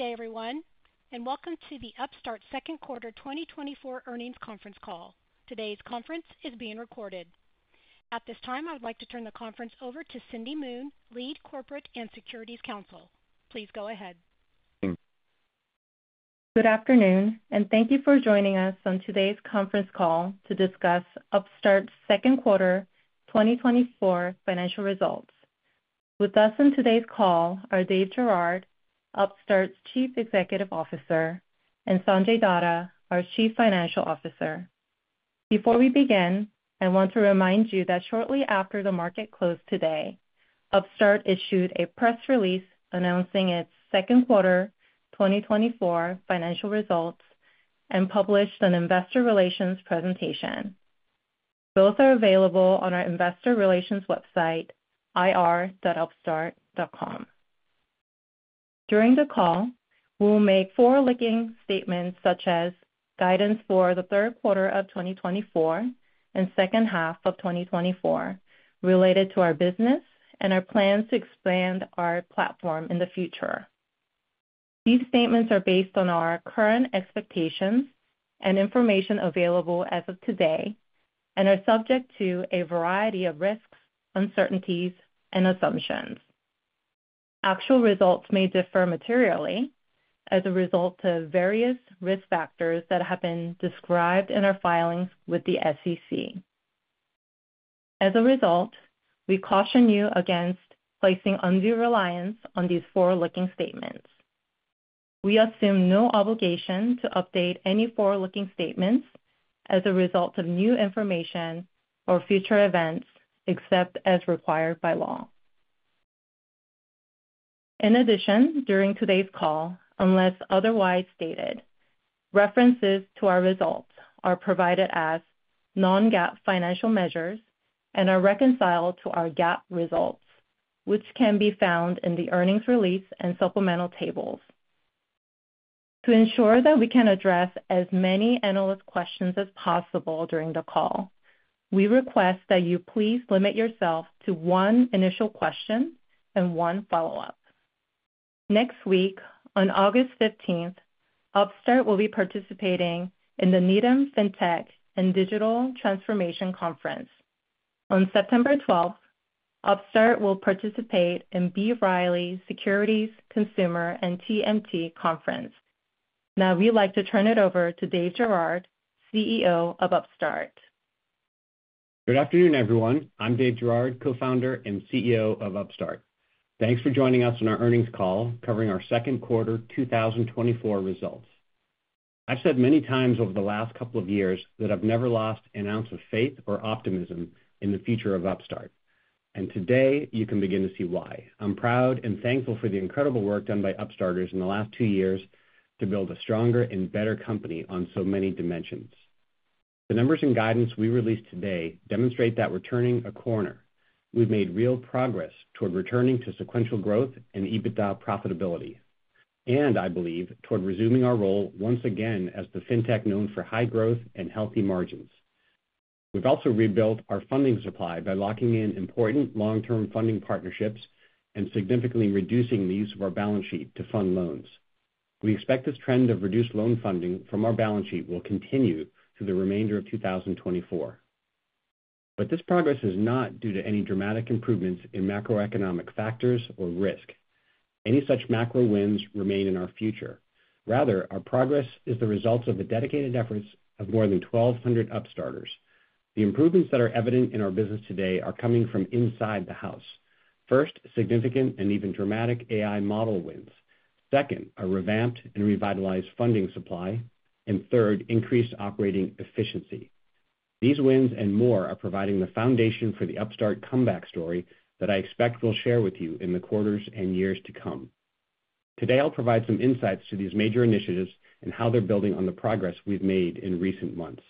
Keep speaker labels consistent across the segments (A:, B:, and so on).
A: Good day, everyone, and welcome to the Upstart second quarter 2024 earnings conference call. Today's conference is being recorded. At this time, I would like to turn the conference over to Cindy Moon, Lead Corporate and Securities Counsel. Please go ahead.
B: Good afternoon, and thank you for joining us on today's conference call to discuss Upstart's second quarter 2024 financial results. With us on today's call are Dave Girouard, Upstart's Chief Executive Officer, and Sanjay Datta, our Chief Financial Officer. Before we begin, I want to remind you that shortly after the market closed today, Upstart issued a press release announcing its second quarter 2024 financial results and published an investor relations presentation. Both are available on our investor relations website, ir.upstart.com. During the call, we'll make forward-looking statements, such as guidance for the third quarter of 2024 and second half of 2024, related to our business and our plans to expand our platform in the future. These statements are based on our current expectations and information available as of today and are subject to a variety of risks, uncertainties, and assumptions. Actual results may differ materially as a result of various risk factors that have been described in our filings with the SEC. As a result, we caution you against placing undue reliance on these forward-looking statements. We assume no obligation to update any forward-looking statements as a result of new information or future events, except as required by law. In addition, during today's call, unless otherwise stated, references to our results are provided as non-GAAP financial measures and are reconciled to our GAAP results, which can be found in the earnings release and supplemental tables. To ensure that we can address as many analyst questions as possible during the call, we request that you please limit yourself to one initial question and one follow-up. Next week, on August fifteenth, Upstart will be participating in the Needham FinTech and Digital Transformation Conference. On September twelfth, Upstart will participate in B. Riley Securities Consumer and TMT Conference. Now we'd like to turn it over to Dave Girouard, CEO of Upstart.
C: Good afternoon, everyone. I'm Dave Girouard, co-founder and CEO of Upstart. Thanks for joining us on our earnings call covering our second quarter 2024 results. I've said many times over the last couple of years that I've never lost an ounce of faith or optimism in the future of Upstart, and today you can begin to see why. I'm proud and thankful for the incredible work done by Upstarters in the last two years to build a stronger and better company on so many dimensions. The numbers and guidance we released today demonstrate that we're turning a corner. We've made real progress toward returning to sequential growth and EBITDA profitability, and I believe toward resuming our role once again as the fintech known for high growth and healthy margins. We've also rebuilt our funding supply by locking in important long-term funding partnerships and significantly reducing the use of our balance sheet to fund loans. We expect this trend of reduced loan funding from our balance sheet will continue through the remainder of 2024. But this progress is not due to any dramatic improvements in macroeconomic factors or risk. Any such macro wins remain in our future. Rather, our progress is the result of the dedicated efforts of more than 1,200 Upstarters. The improvements that are evident in our business today are coming from inside the house. First, significant and even dramatic AI model wins. Second, a revamped and revitalized funding supply, and third, increased operating efficiency. These wins and more are providing the foundation for the Upstart comeback story that I expect we'll share with you in the quarters and years to come. Today, I'll provide some insights to these major initiatives and how they're building on the progress we've made in recent months.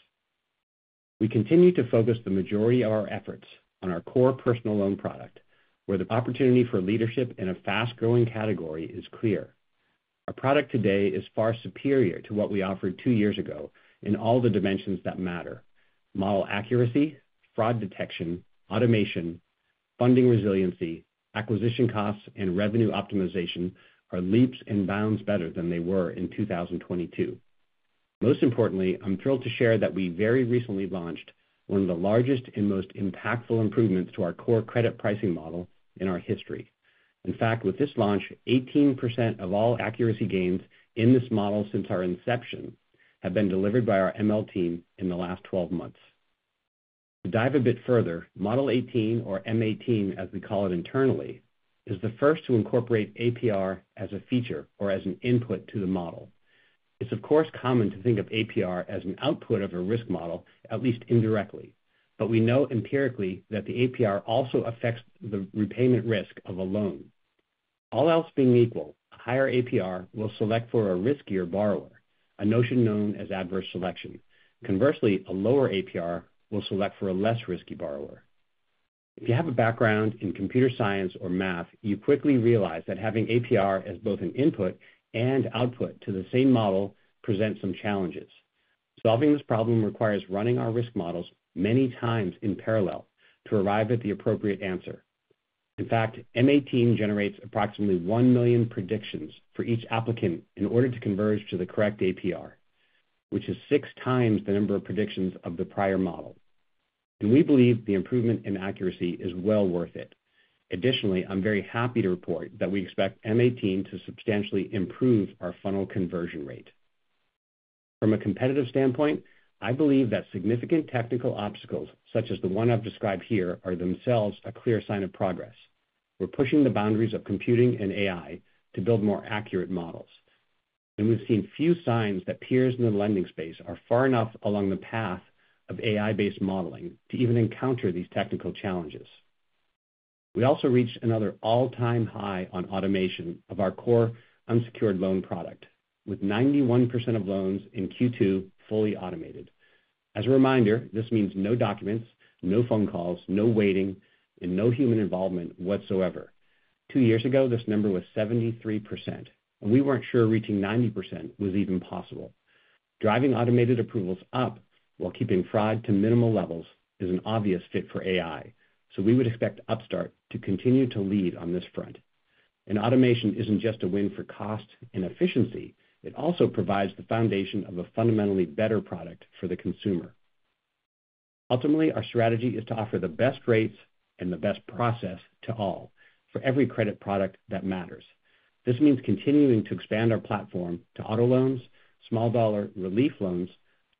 C: We continue to focus the majority of our efforts on our core personal loan product, where the opportunity for leadership in a fast-growing category is clear. Our product today is far superior to what we offered two years ago in all the dimensions that matter. Model accuracy, fraud detection, automation, funding resiliency, acquisition costs, and revenue optimization are leaps and bounds better than they were in 2022. Most importantly, I'm thrilled to share that we very recently launched one of the largest and most impactful improvements to our core credit pricing model in our history. In fact, with this launch, 18% of all accuracy gains in this model since our inception have been delivered by our ML team in the last 12 months. To dive a bit further, Model 18, or M18, as we call it internally, is the first to incorporate APR as a feature or as an input to the model. It's of course, common to think of APR as an output of a risk model, at least indirectly, but we know empirically that the APR also affects the repayment risk of a loan. All else being equal, a higher APR will select for a riskier borrower, a notion known as adverse selection. Conversely, a lower APR will select for a less risky borrower. If you have a background in computer science or math, you quickly realize that having APR as both an input and output to the same model presents some challenges.... Solving this problem requires running our risk models many times in parallel to arrive at the appropriate answer. In fact, M18 generates approximately 1 million predictions for each applicant in order to converge to the correct APR, which is 6 times the number of predictions of the prior model. We believe the improvement in accuracy is well worth it. Additionally, I'm very happy to report that we expect M18 to substantially improve our funnel conversion rate. From a competitive standpoint, I believe that significant technical obstacles, such as the one I've described here, are themselves a clear sign of progress. We're pushing the boundaries of computing and AI to build more accurate models, and we've seen few signs that peers in the lending space are far enough along the path of AI-based modeling to even encounter these technical challenges. We also reached another all-time high on automation of our core unsecured loan product, with 91% of loans in Q2 fully automated. As a reminder, this means no documents, no phone calls, no waiting, and no human involvement whatsoever. Two years ago, this number was 73%, and we weren't sure reaching 90% was even possible. Driving automated approvals up while keeping fraud to minimal levels is an obvious fit for AI, so we would expect Upstart to continue to lead on this front. And automation isn't just a win for cost and efficiency, it also provides the foundation of a fundamentally better product for the consumer. Ultimately, our strategy is to offer the best rates and the best process to all for every credit product that matters. This means continuing to expand our platform to auto loans, small-dollar relief loans,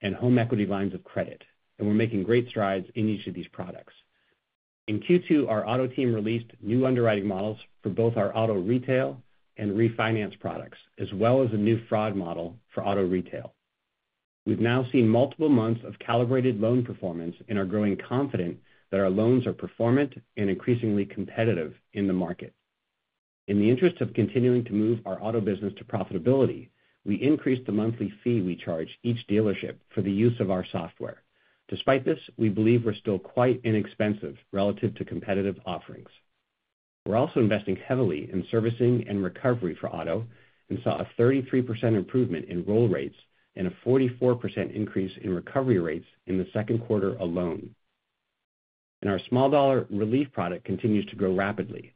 C: and home equity lines of credit, and we're making great strides in each of these products. In Q2, our auto team released new underwriting models for both our auto retail and refinance products, as well as a new fraud model for auto retail. We've now seen multiple months of calibrated loan performance and are growing confident that our loans are performant and increasingly competitive in the market. In the interest of continuing to move our auto business to profitability, we increased the monthly fee we charge each dealership for the use of our software. Despite this, we believe we're still quite inexpensive relative to competitive offerings. We're also investing heavily in servicing and recovery for auto and saw a 33% improvement in roll rates and a 44% increase in recovery rates in the second quarter alone. Our small dollar relief product continues to grow rapidly,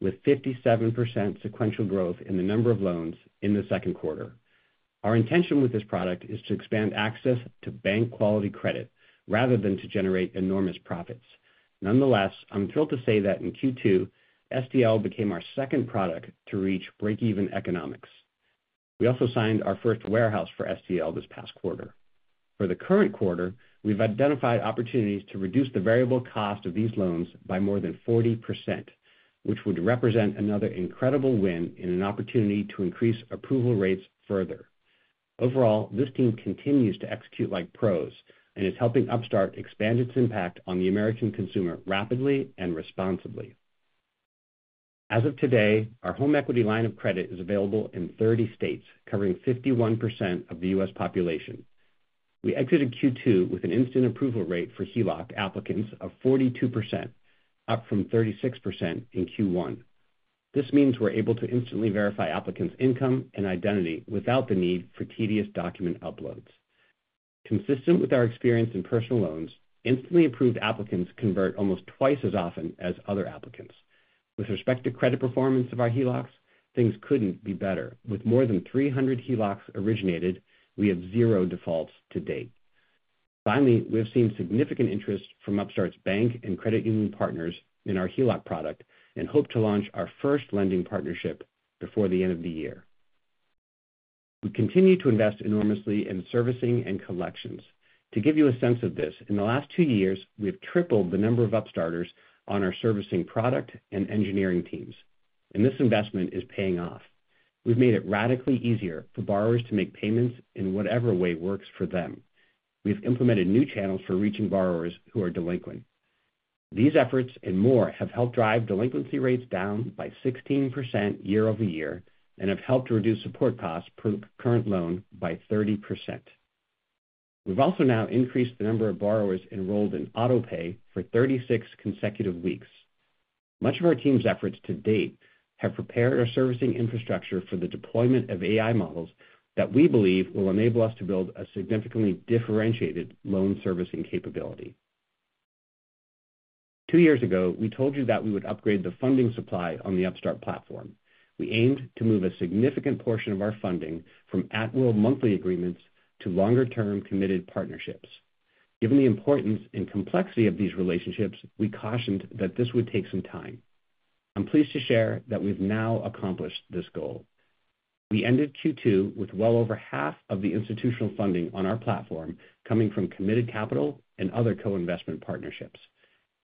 C: with 57% sequential growth in the number of loans in the second quarter. Our intention with this product is to expand access to bank-quality credit rather than to generate enormous profits. Nonetheless, I'm thrilled to say that in Q2, SDL became our second product to reach break-even economics. We also signed our first warehouse for SDL this past quarter. For the current quarter, we've identified opportunities to reduce the variable cost of these loans by more than 40%, which would represent another incredible win and an opportunity to increase approval rates further. Overall, this team continues to execute like pros and is helping Upstart expand its impact on the American consumer rapidly and responsibly. As of today, our home equity line of credit is available in 30 states, covering 51% of the U.S. population. We exited Q2 with an instant approval rate for HELOC applicants of 42%, up from 36% in Q1. This means we're able to instantly verify applicants' income and identity without the need for tedious document uploads. Consistent with our experience in personal loans, instantly approved applicants convert almost twice as often as other applicants. With respect to credit performance of our HELOCs, things couldn't be better. With more than 300 HELOCs originated, we have zero defaults to date. Finally, we have seen significant interest from Upstart's bank and credit union partners in our HELOC product and hope to launch our first lending partnership before the end of the year. We continue to invest enormously in servicing and collections. To give you a sense of this, in the last 2 years, we've tripled the number of Upstarters on our servicing product and engineering teams, and this investment is paying off. We've made it radically easier for borrowers to make payments in whatever way works for them. We've implemented new channels for reaching borrowers who are delinquent. These efforts and more have helped drive delinquency rates down by 16% year-over-year and have helped to reduce support costs per current loan by 30%. We've also now increased the number of borrowers enrolled in Autopay for 36 consecutive weeks. Much of our team's efforts to date have prepared our servicing infrastructure for the deployment of AI models that we believe will enable us to build a significantly differentiated loan servicing capability. Two years ago, we told you that we would upgrade the funding supply on the Upstart platform. We aimed to move a significant portion of our funding from at-will monthly agreements to longer-term, committed partnerships. Given the importance and complexity of these relationships, we cautioned that this would take some time. I'm pleased to share that we've now accomplished this goal. We ended Q2 with well over half of the institutional funding on our platform coming from committed capital and other co-investment partnerships.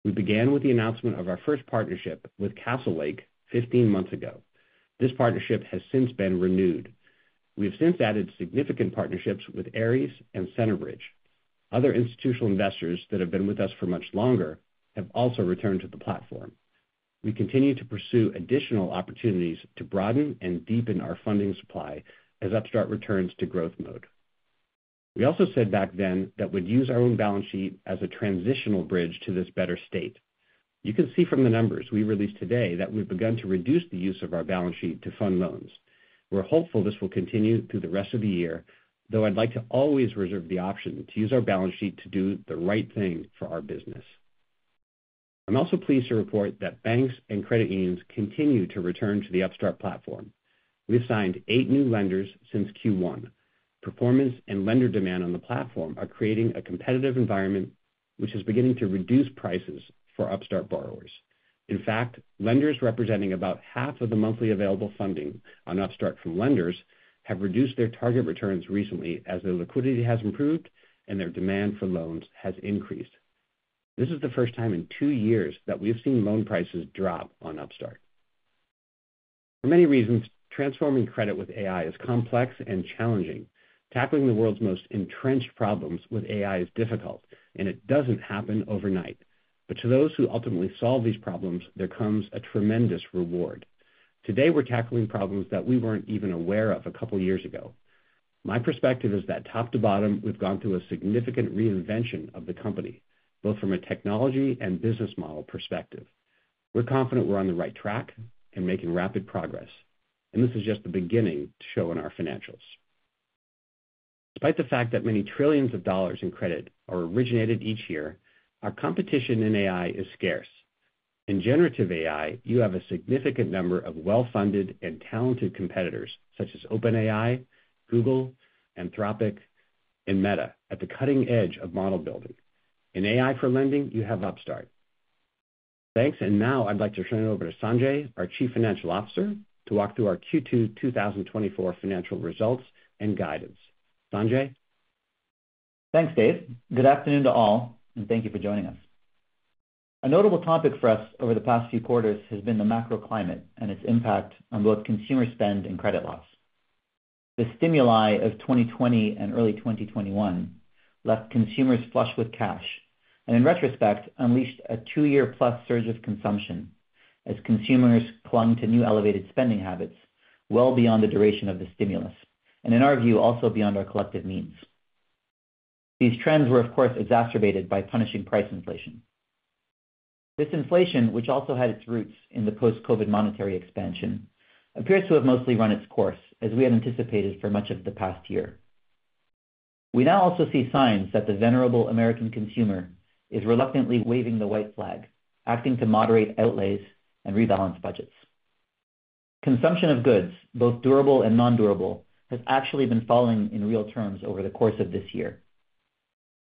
C: We began with the announcement of our first partnership with Castlelake 15 months ago. This partnership has since been renewed. We've since added significant partnerships with Ares and Centerbridge. Other institutional investors that have been with us for much longer have also returned to the platform. We continue to pursue additional opportunities to broaden and deepen our funding supply as Upstart returns to growth mode. We also said back then that we'd use our own balance sheet as a transitional bridge to this better state. You can see from the numbers we released today that we've begun to reduce the use of our balance sheet to fund loans. We're hopeful this will continue through the rest of the year, though I'd like to always reserve the option to use our balance sheet to do the right thing for our business. I'm also pleased to report that banks and credit unions continue to return to the Upstart platform. We've signed eight new lenders since Q1. Performance and lender demand on the platform are creating a competitive environment, which is beginning to reduce prices for Upstart borrowers. In fact, lenders representing about half of the monthly available funding on Upstart from lenders have reduced their target returns recently as their liquidity has improved and their demand for loans has increased. This is the first time in two years that we've seen loan prices drop on Upstart. For many reasons, transforming credit with AI is complex and challenging. Tackling the world's most entrenched problems with AI is difficult, and it doesn't happen overnight. But to those who ultimately solve these problems, there comes a tremendous reward. Today, we're tackling problems that we weren't even aware of a couple years ago. My perspective is that top to bottom, we've gone through a significant reinvention of the company, both from a technology and business model perspective. We're confident we're on the right track and making rapid progress, and this is just the beginning to show in our financials. Despite the fact that many trillions of dollars in credit are originated each year, our competition in AI is scarce. In generative AI, you have a significant number of well-funded and talented competitors, such as OpenAI, Google, Anthropic, and Meta, at the cutting edge of model building. In AI for lending, you have Upstart. Thanks. Now I'd like to turn it over to Sanjay, our Chief Financial Officer, to walk through our Q2 2024 financial results and guidance. Sanjay?
D: Thanks, Dave. Good afternoon to all, and thank you for joining us. A notable topic for us over the past few quarters has been the macro climate and its impact on both consumer spend and credit loss. The stimuli of 2020 and early 2021 left consumers flush with cash, and in retrospect, unleashed a 2-year+ surge of consumption as consumers clung to new elevated spending habits well beyond the duration of the stimulus, and in our view, also beyond our collective means. These trends were, of course, exacerbated by punishing price inflation. This inflation, which also had its roots in the post-COVID monetary expansion, appears to have mostly run its course, as we had anticipated for much of the past year. We now also see signs that the venerable American consumer is reluctantly waving the white flag, acting to moderate outlays and rebalance budgets. Consumption of goods, both durable and nondurable, has actually been falling in real terms over the course of this year.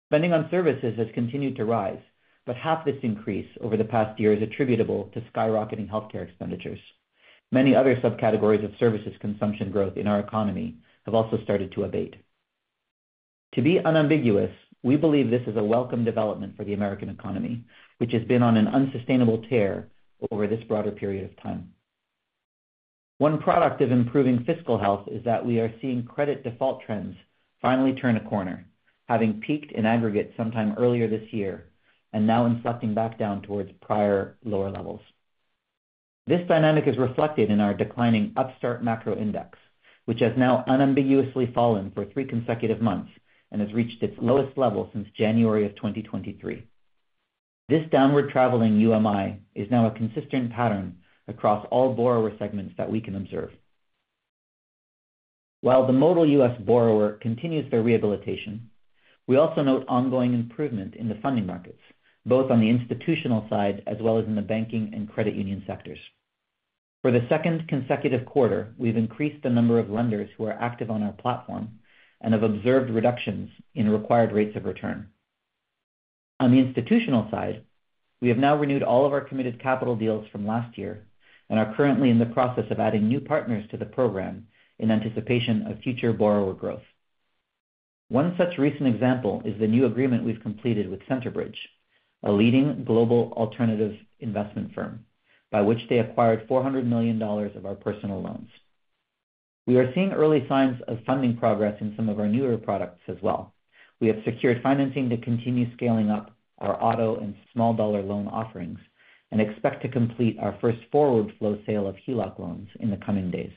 D: Spending on services has continued to rise, but half this increase over the past year is attributable to skyrocketing healthcare expenditures. Many other subcategories of services consumption growth in our economy have also started to abate. To be unambiguous, we believe this is a welcome development for the American economy, which has been on an unsustainable tear over this broader period of time. One product of improving fiscal health is that we are seeing credit default trends finally turn a corner, having peaked in aggregate sometime earlier this year and now inflecting back down towards prior lower levels. This dynamic is reflected in our declining Upstart Macro Index, which has now unambiguously fallen for three consecutive months and has reached its lowest level since January of 2023. This downward traveling UMI is now a consistent pattern across all borrower segments that we can observe. While the modal US borrower continues their rehabilitation, we also note ongoing improvement in the funding markets, both on the institutional side as well as in the banking and credit union sectors. For the second consecutive quarter, we've increased the number of lenders who are active on our platform and have observed reductions in required rates of return. On the institutional side, we have now renewed all of our committed capital deals from last year and are currently in the process of adding new partners to the program in anticipation of future borrower growth. One such recent example is the new agreement we've completed with Centerbridge, a leading global alternative investment firm, by which they acquired $400 million of our personal loans. We are seeing early signs of funding progress in some of our newer products as well. We have secured financing to continue scaling up our auto and small dollar loan offerings and expect to complete our first forward flow sale of HELOC loans in the coming days.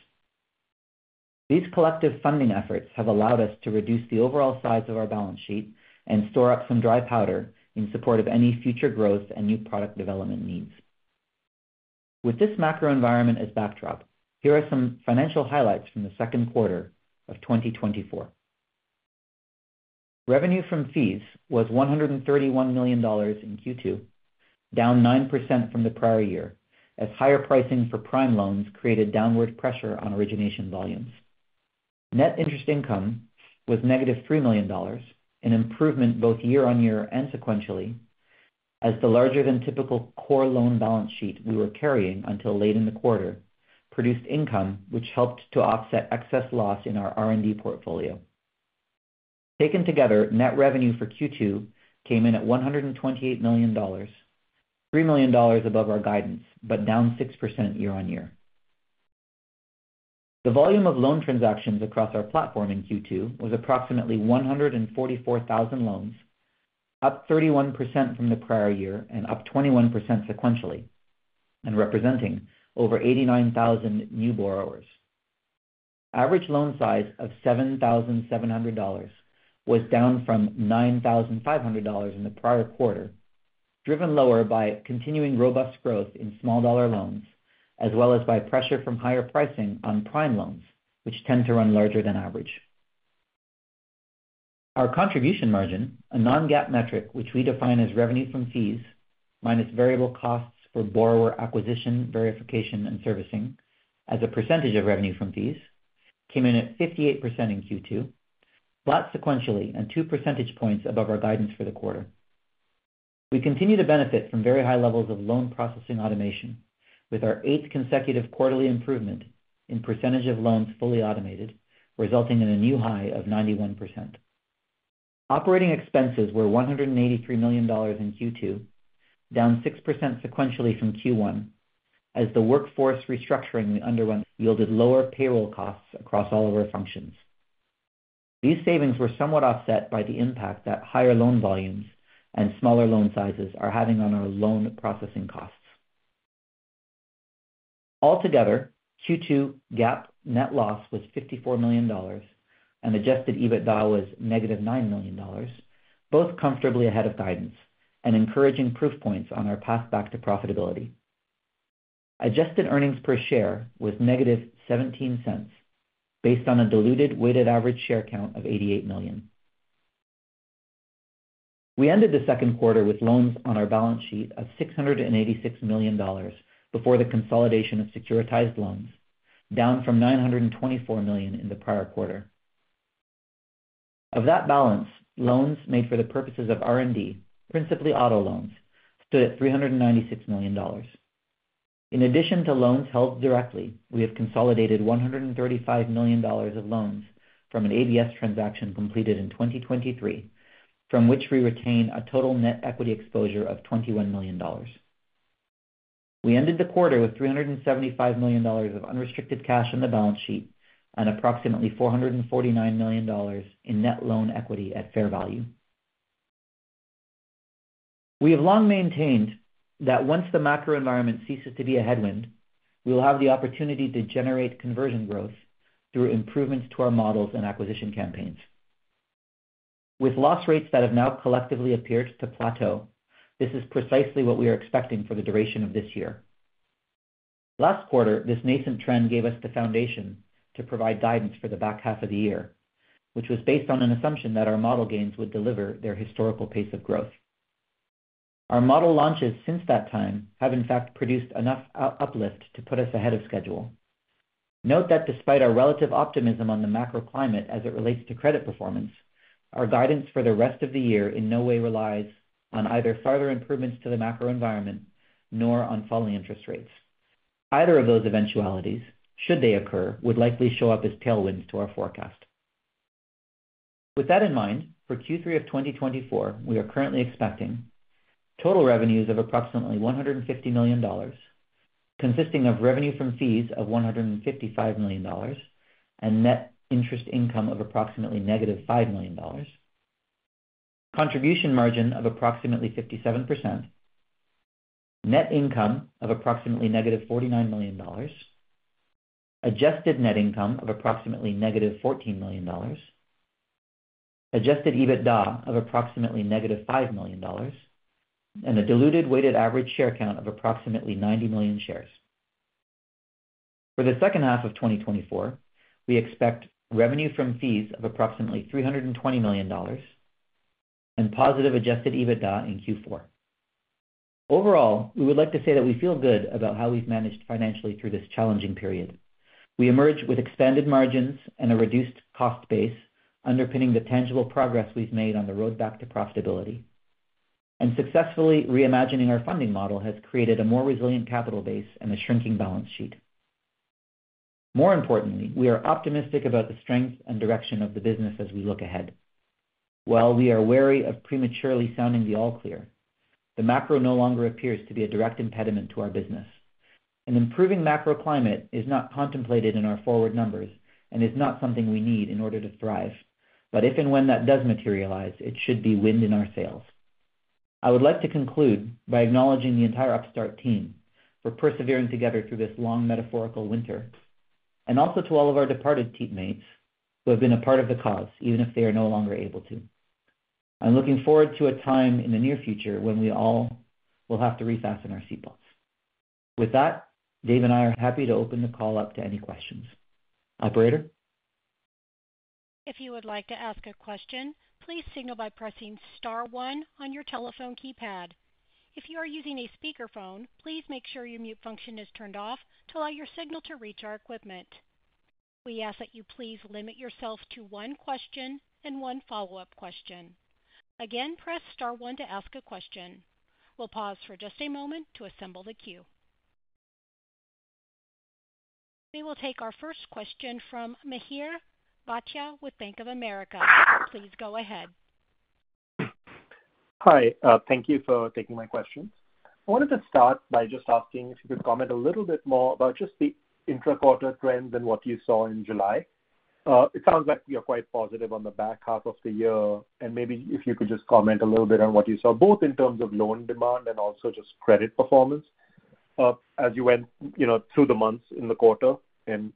D: These collective funding efforts have allowed us to reduce the overall size of our balance sheet and store up some dry powder in support of any future growth and new product development needs. With this macro environment as backdrop, here are some financial highlights from the second quarter of 2024. Revenue from fees was $131 million in Q2, down 9% from the prior year, as higher pricing for prime loans created downward pressure on origination volumes. Net interest income was -$3 million, an improvement both year-on-year and sequentially, as the larger-than-typical core loan balance sheet we were carrying until late in the quarter produced income, which helped to offset excess loss in our R&D portfolio. Taken together, net revenue for Q2 came in at $128 million, $3 million above our guidance, but down 6% year-on-year. The volume of loan transactions across our platform in Q2 was approximately 144,000 loans, up 31% from the prior year and up 21% sequentially, and representing over 89,000 new borrowers. Average loan size of $7,700 was down from $9,500 in the prior quarter, driven lower by continuing robust growth in small dollar loans, as well as by pressure from higher pricing on prime loans, which tend to run larger than average. Our contribution margin, a non-GAAP metric, which we define as revenue from fees minus variable costs for borrower acquisition, verification, and servicing as a percentage of revenue from fees, came in at 58% in Q2, flat sequentially and two percentage points above our guidance for the quarter. We continue to benefit from very high levels of loan processing automation, with our eighth consecutive quarterly improvement in percentage of loans fully automated, resulting in a new high of 91%. Operating expenses were $183 million in Q2, down 6% sequentially from Q1, as the workforce restructuring we underwent yielded lower payroll costs across all of our functions. These savings were somewhat offset by the impact that higher loan volumes and smaller loan sizes are having on our loan processing costs. Altogether, Q2 GAAP net loss was $54 million and adjusted EBITDA was -$9 million, both comfortably ahead of guidance and encouraging proof points on our path back to profitability. Adjusted earnings per share was -$0.17, based on a diluted weighted average share count of 88 million. We ended the second quarter with loans on our balance sheet of $686 million before the consolidation of securitized loans, down from $924 million in the prior quarter. Of that balance, loans made for the purposes of R&D, principally auto loans, stood at $396 million. In addition to loans held directly, we have consolidated $135 million of loans from an ABS transaction completed in 2023, from which we retain a total net equity exposure of $21 million. We ended the quarter with $375 million of unrestricted cash on the balance sheet and approximately $449 million in net loan equity at fair value. We have long maintained that once the macro environment ceases to be a headwind, we will have the opportunity to generate conversion growth through improvements to our models and acquisition campaigns. With loss rates that have now collectively appeared to plateau, this is precisely what we are expecting for the duration of this year. Last quarter, this nascent trend gave us the foundation to provide guidance for the back half of the year, which was based on an assumption that our model gains would deliver their historical pace of growth. Our model launches since that time have, in fact, produced enough uplift to put us ahead of schedule. Note that despite our relative optimism on the macro climate as it relates to credit performance, our guidance for the rest of the year in no way relies on either further improvements to the macro environment nor on falling interest rates. Either of those eventualities, should they occur, would likely show up as tailwinds to our forecast. With that in mind, for Q3 of 2024, we are currently expecting total revenues of approximately $150 million, consisting of revenue from fees of $155 million and net interest income of approximately -$5 million, contribution margin of approximately 57%, net income of approximately -$49 million, adjusted net income of approximately -$14 million, adjusted EBITDA of approximately -$5 million, and a diluted weighted average share count of approximately 90 million shares. For the second half of 2024, we expect revenue from fees of approximately $320 million and positive adjusted EBITDA in Q4. Overall, we would like to say that we feel good about how we've managed financially through this challenging period. We emerge with expanded margins and a reduced cost base, underpinning the tangible progress we've made on the road back to profitability. Successfully reimagining our funding model has created a more resilient capital base and a shrinking balance sheet. More importantly, we are optimistic about the strength and direction of the business as we look ahead. While we are wary of prematurely sounding the all clear, the macro no longer appears to be a direct impediment to our business. An improving macro climate is not contemplated in our forward numbers and is not something we need in order to thrive. But if and when that does materialize, it should be wind in our sails. I would like to conclude by acknowledging the entire Upstart team for persevering together through this long metaphorical winter, and also to all of our departed teammates who have been a part of the cause, even if they are no longer able to. I'm looking forward to a time in the near future when we all will have to refasten our seatbelts. With that, Dave and I are happy to open the call up to any questions. Operator?
A: If you would like to ask a question, please signal by pressing *1 your telephone keypad. If you are using a speakerphone, please make sure your mute function is turned off to allow your signal to reach our equipment. We ask that you please limit yourself to one question and one follow-up question. Again, press star one to ask a question. We'll pause for just a moment to assemble the queue. We will take our first question from Mihir Bhatia with Bank of America. Please go ahead.
E: Hi, thank you for taking my questions. I wanted to start by just asking if you could comment a little bit more about just the intraquarter trends and what you saw in July. It sounds like you're quite positive on the back half of the year, and maybe if you could just comment a little bit on what you saw, both in terms of loan demand and also just credit performance.... as you went, you know, through the months in the quarter, and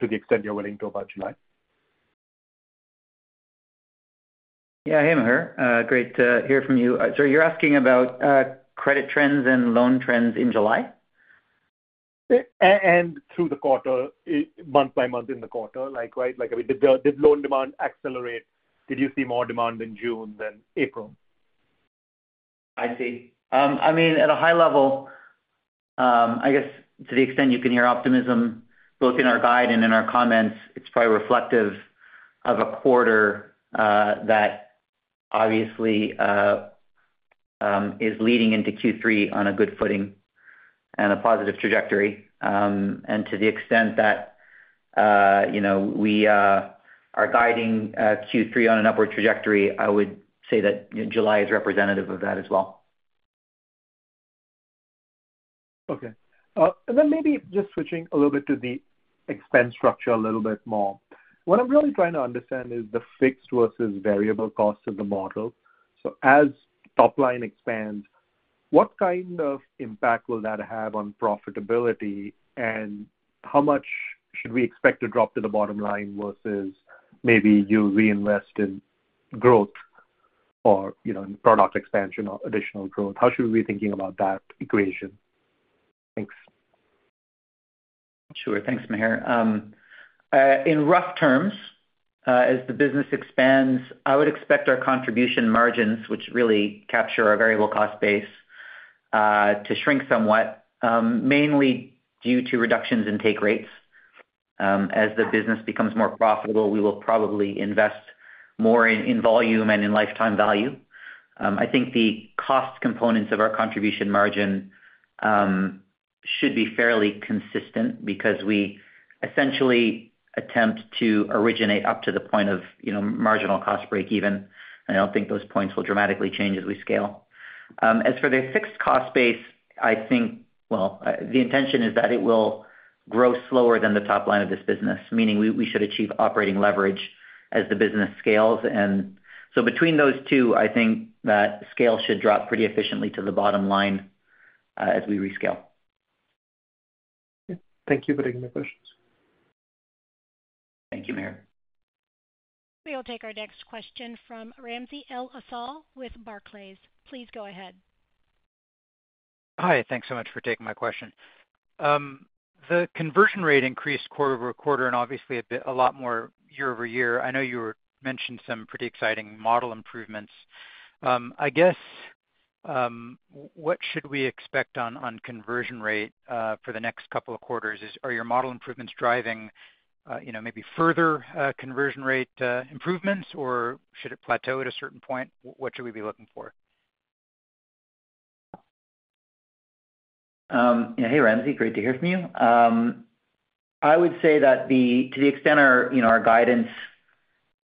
E: to the extent you're willing to about July?
D: Yeah. Hey, Mihir, great to hear from you. So you're asking about credit trends and loan trends in July?
E: And through the quarter, month by month in the quarter, like, right, like, I mean, did loan demand accelerate? Did you see more demand in June than April?
D: I see. I mean, at a high level, I guess to the extent you can hear optimism both in our guide and in our comments, it's probably reflective of a quarter that obviously is leading into Q3 on a good footing and a positive trajectory. And to the extent that, you know, we are guiding Q3 on an upward trajectory, I would say that July is representative of that as well.
E: Okay. And then maybe just switching a little bit to the expense structure a little bit more. What I'm really trying to understand is the fixed versus variable costs of the model. So as top line expands, what kind of impact will that have on profitability, and how much should we expect to drop to the bottom line versus maybe you reinvest in growth or, you know, in product expansion or additional growth? How should we be thinking about that equation? Thanks.
D: Sure. Thanks, Mihir. In rough terms, as the business expands, I would expect our contribution margins, which really capture our variable cost base, to shrink somewhat, mainly due to reductions in take rates. As the business becomes more profitable, we will probably invest more in, in volume and in lifetime value. I think the cost components of our contribution margin should be fairly consistent because we essentially attempt to originate up to the point of, you know, marginal cost break-even, and I don't think those points will dramatically change as we scale. As for the fixed cost base, I think... Well, the intention is that it will grow slower than the top line of this business, meaning we, we should achieve operating leverage as the business scales. And so between those two, I think that scale should drop pretty efficiently to the bottom line, as we rescale.
E: Thank you for taking my questions.
D: Thank you, Mihir.
A: We will take our next question from Ramsey El-Assal with Barclays. Please go ahead.
F: Hi, thanks so much for taking my question. The conversion rate increased quarter-over-quarter and obviously a bit, a lot more year-over-year. I know you mentioned some pretty exciting model improvements. I guess, what should we expect on conversion rate for the next couple of quarters? Are your model improvements driving, you know, maybe further conversion rate improvements, or should it plateau at a certain point? What should we be looking for?
D: Yeah, hey, Ramsey, great to hear from you. I would say that to the extent our, you know, our guidance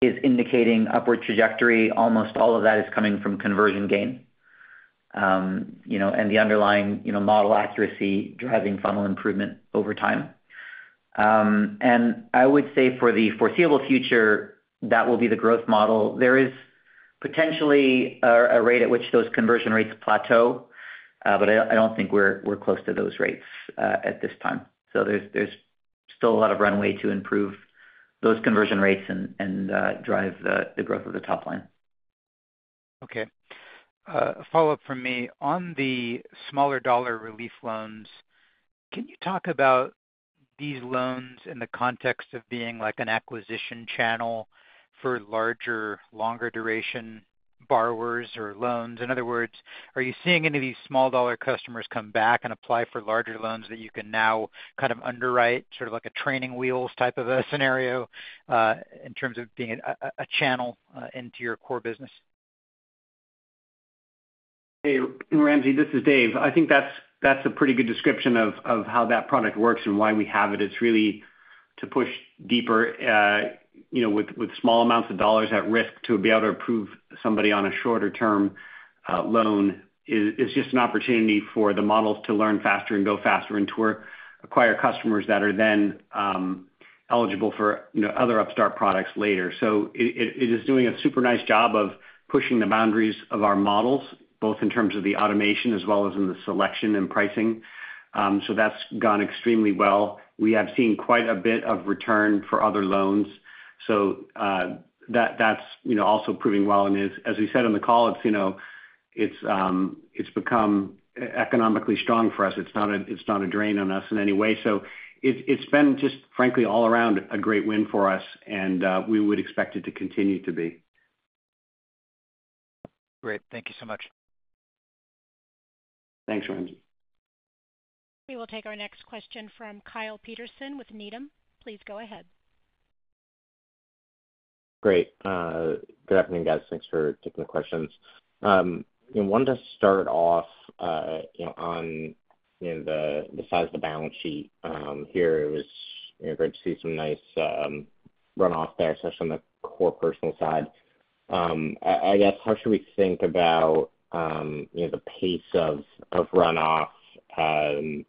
D: is indicating upward trajectory, almost all of that is coming from conversion gain. And the underlying, you know, model accuracy driving funnel improvement over time. And I would say for the foreseeable future, that will be the growth model. There is potentially a rate at which those conversion rates plateau, but I don't think we're close to those rates at this time. So there's still a lot of runway to improve those conversion rates and drive the growth of the top line.
F: Okay. A follow-up from me. On the small dollar relief loans, can you talk about these loans in the context of being like an acquisition channel for larger, longer duration borrowers or loans? In other words, are you seeing any of these small dollar customers come back and apply for larger loans that you can now kind of underwrite, sort of like a training wheels type of a scenario, in terms of being a channel into your core business?
C: Hey, Ramsey, this is Dave. I think that's a pretty good description of how that product works and why we have it. It's really to push deeper, you know, with small amounts of dollars at risk to be able to approve somebody on a shorter term loan. It's just an opportunity for the models to learn faster and go faster and to acquire customers that are then eligible for, you know, other Upstart products later. So it is doing a super nice job of pushing the boundaries of our models, both in terms of the automation as well as in the selection and pricing. So that's gone extremely well. We have seen quite a bit of return for other loans, so that's, you know, also proving well. And as we said on the call, it's, you know, it's become economically strong for us. It's not a drain on us in any way. So it's been just, frankly, all around a great win for us, and we would expect it to continue to be.
F: Great. Thank you so much.
C: Thanks, Ramsey.
A: We will take our next question from Kyle Peterson with Needham. Please go ahead.
G: Great. Good evening, guys. Thanks for taking the questions. I wanted to start off, you know, on, you know, the size of the balance sheet. Here it was, you know, great to see some nice runoff there, especially on the core personal side. I guess, how should we think about, you know, the pace of runoff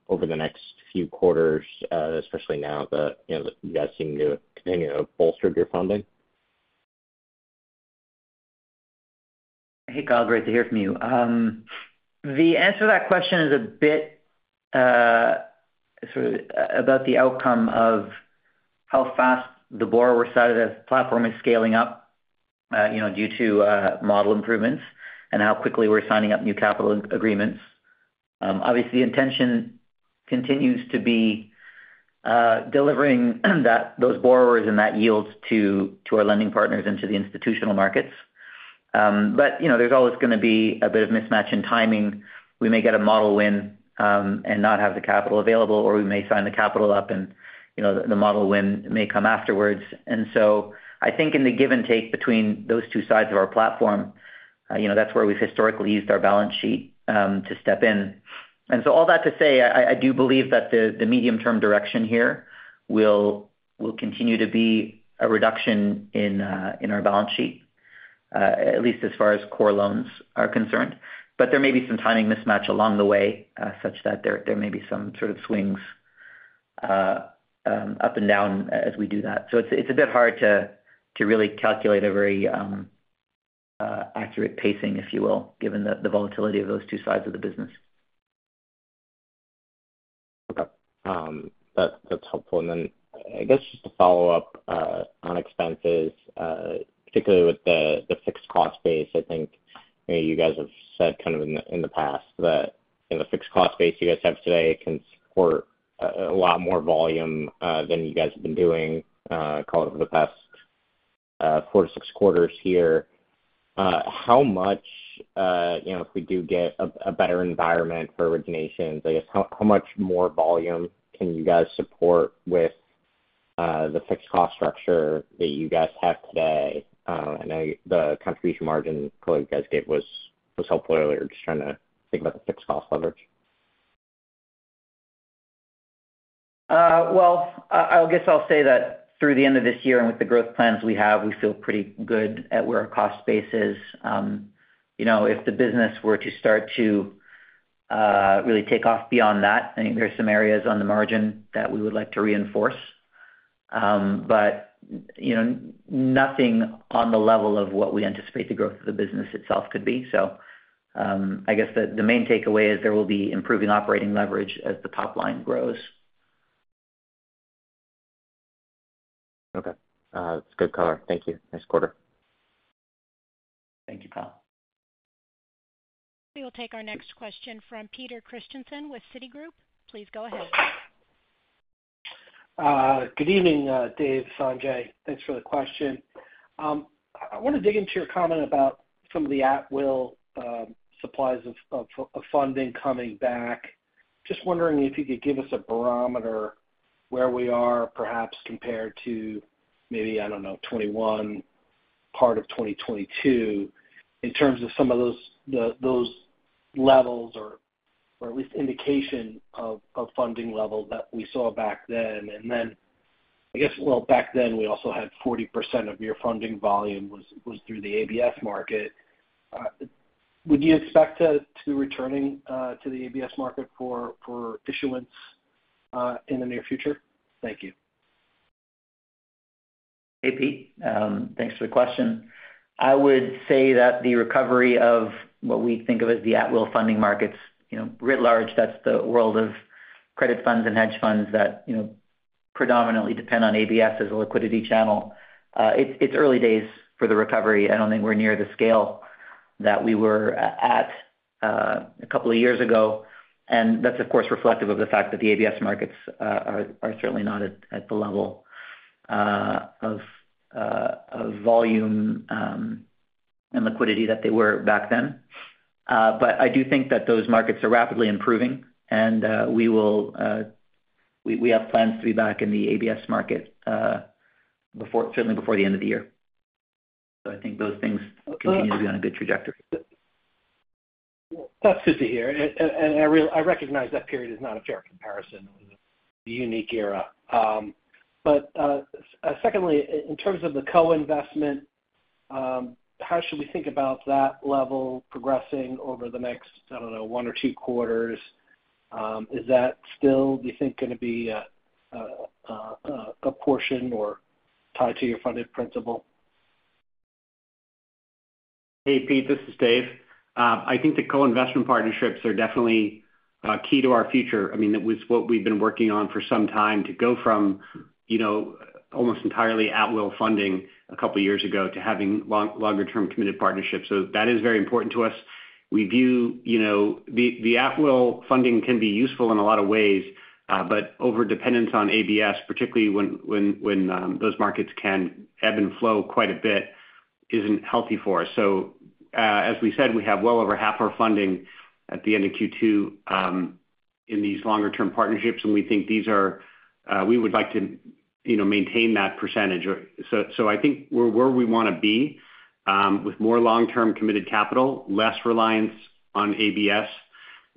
G: over the next few quarters, especially now that, you know, you guys seem to continue to bolster your funding?...
D: Hey, Kyle, great to hear from you. The answer to that question is a bit sort of about the outcome of how fast the borrower side of the platform is scaling up, you know, due to model improvements and how quickly we're signing up new capital agreements. Obviously, the intention continues to be delivering those borrowers and that yields to our lending partners into the institutional markets. But, you know, there's always gonna be a bit of mismatch in timing. We may get a model win and not have the capital available, or we may sign the capital up and, you know, the model win may come afterwards. And so I think in the give and take between those two sides of our platform, you know, that's where we've historically used our balance sheet to step in. And so all that to say, I do believe that the medium-term direction here will continue to be a reduction in our balance sheet, at least as far as core loans are concerned. But there may be some timing mismatch along the way, such that there may be some sort of swings up and down as we do that. So it's a bit hard to really calculate a very accurate pacing, if you will, given the volatility of those two sides of the business.
G: Okay. That's helpful. And then I guess just to follow up on expenses, particularly with the fixed cost base, I think, you know, you guys have said kind of in the past that the fixed cost base you guys have today can support a lot more volume than you guys have been doing, call it, the past four to six quarters here. How much, you know, if we do get a better environment for originations, I guess, how much more volume can you guys support with the fixed cost structure that you guys have today? I know the contribution margin call you guys gave was helpful earlier. Just trying to think about the fixed cost leverage.
D: Well, I guess I'll say that through the end of this year and with the growth plans we have, we feel pretty good at where our cost base is. You know, if the business were to start to really take off beyond that, I think there are some areas on the margin that we would like to reinforce. But, you know, nothing on the level of what we anticipate the growth of the business itself could be. So, I guess the main takeaway is there will be improving operating leverage as the top line grows.
G: Okay. That's good color. Thank you. Nice quarter.
D: Thank you, Kyle.
A: We will take our next question from Peter Christiansen with Citigroup. Please go ahead.
H: Good evening, Dave, Sanjay. Thanks for the question. I want to dig into your comment about some of the at-will supplies of funding coming back. Just wondering if you could give us a barometer where we are perhaps compared to maybe, I don't know, 2021, part of 2022, in terms of some of those, the, those levels or at least indication of funding level that we saw back then. And then, I guess, well, back then, we also had 40% of your funding volume was through the ABS market. Would you expect to returning to the ABS market for issuance in the near future? Thank you.
D: Hey, Pete, thanks for the question. I would say that the recovery of what we think of as the at-will funding markets, you know, writ large, that's the world of credit funds and hedge funds that, you know, predominantly depend on ABS as a liquidity channel. It's early days for the recovery. I don't think we're near the scale that we were at a couple of years ago, and that's, of course, reflective of the fact that the ABS markets are certainly not at the level of volume and liquidity that they were back then. But I do think that those markets are rapidly improving, and we have plans to be back in the ABS market before, certainly before the end of the year. So I think those things continue to be on a good trajectory.
H: That's fair here. And I really recognize that period is not a fair comparison, a unique era. But secondly, in terms of the co-investment, how should we think about that level progressing over the next, I don't know, one or two quarters? Is that still, do you think, gonna be a portion or tied to your funded principal?
C: Hey, Pete, this is Dave. I think the co-investment partnerships are definitely key to our future. I mean, that was what we've been working on for some time to go from, you know, almost entirely at-will funding a couple of years ago to having longer-term committed partnerships. So that is very important to us. We view, you know, the at-will funding can be useful in a lot of ways, but overdependence on ABS, particularly when those markets can ebb and flow quite a bit, isn't healthy for us. So, as we said, we have well over half our funding at the end of Q2 in these longer-term partnerships, and we think these are, we would like to, you know, maintain that percentage. So, so I think we're where we want to be, with more long-term committed capital, less reliance on ABS,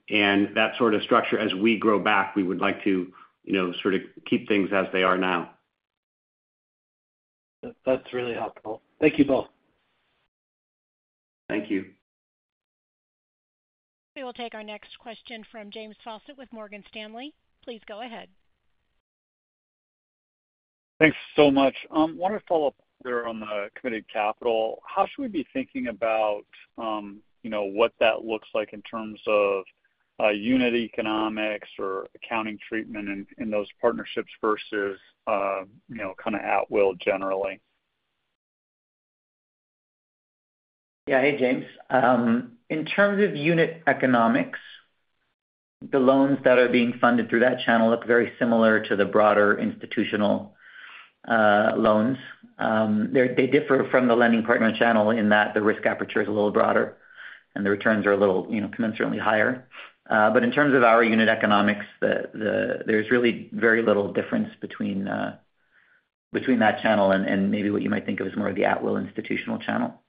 C: and that sort of structure. As we grow back, we would like to, you know, sort of keep things as they are now.
H: That's really helpful. Thank you both.
C: Thank you.
A: We will take our next question from James Faucette with Morgan Stanley. Please go ahead....
I: Thanks so much. I want to follow up there on the committed capital. How should we be thinking about, you know, what that looks like in terms of, unit economics or accounting treatment in, in those partnerships versus, you know, kind of at-will generally?
D: Yeah. Hey, James. In terms of unit economics, the loans that are being funded through that channel look very similar to the broader institutional loans. They differ from the lending partner channel in that the risk aperture is a little broader and the returns are a little, you know, commensurately higher. But in terms of our unit economics, there's really very little difference between that channel and maybe what you might think of as more of the at-will institutional channel.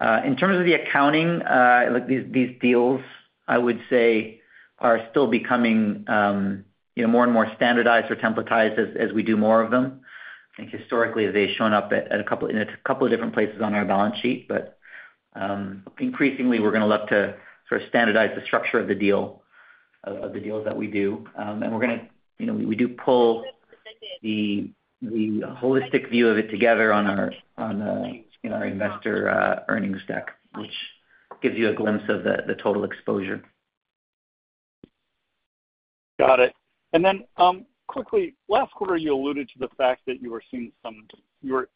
D: In terms of the accounting, like, these deals, I would say, are still becoming, you know, more and more standardized or templatized as we do more of them. I think historically, they've shown up in a couple of different places on our balance sheet, but increasingly, we're gonna look to sort of standardize the structure of the deal, of the deals that we do. And we're gonna, you know, we do pull the holistic view of it together on our investor earnings deck, which gives you a glimpse of the total exposure.
I: Got it. And then, quickly, last quarter, you alluded to the fact that you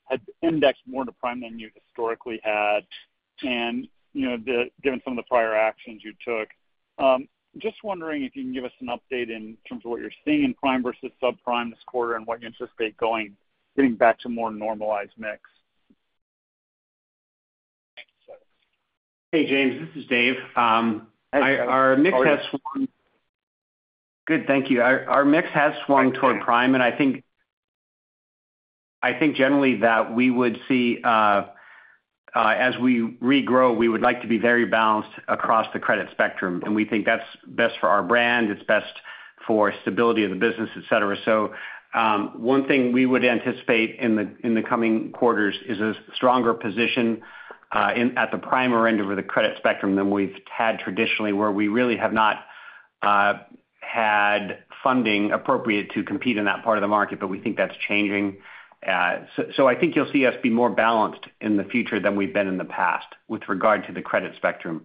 I: had indexed more to prime than you historically had, and, you know, given some of the prior actions you took. Just wondering if you can give us an update in terms of what you're seeing in prime versus subprime this quarter, and what you anticipate getting back to more normalized mix.
C: Hey, James, this is Dave. Our mix has swung-
I: How are you?
C: Good, thank you. Our mix has swung toward prime, and I think generally that we would see, as we regrow, we would like to be very balanced across the credit spectrum, and we think that's best for our brand, it's best for stability of the business, et cetera. So, one thing we would anticipate in the coming quarters is a stronger position at the prime end of the credit spectrum than we've had traditionally, where we really have not had funding appropriate to compete in that part of the market, but we think that's changing. So, I think you'll see us be more balanced in the future than we've been in the past with regard to the credit spectrum.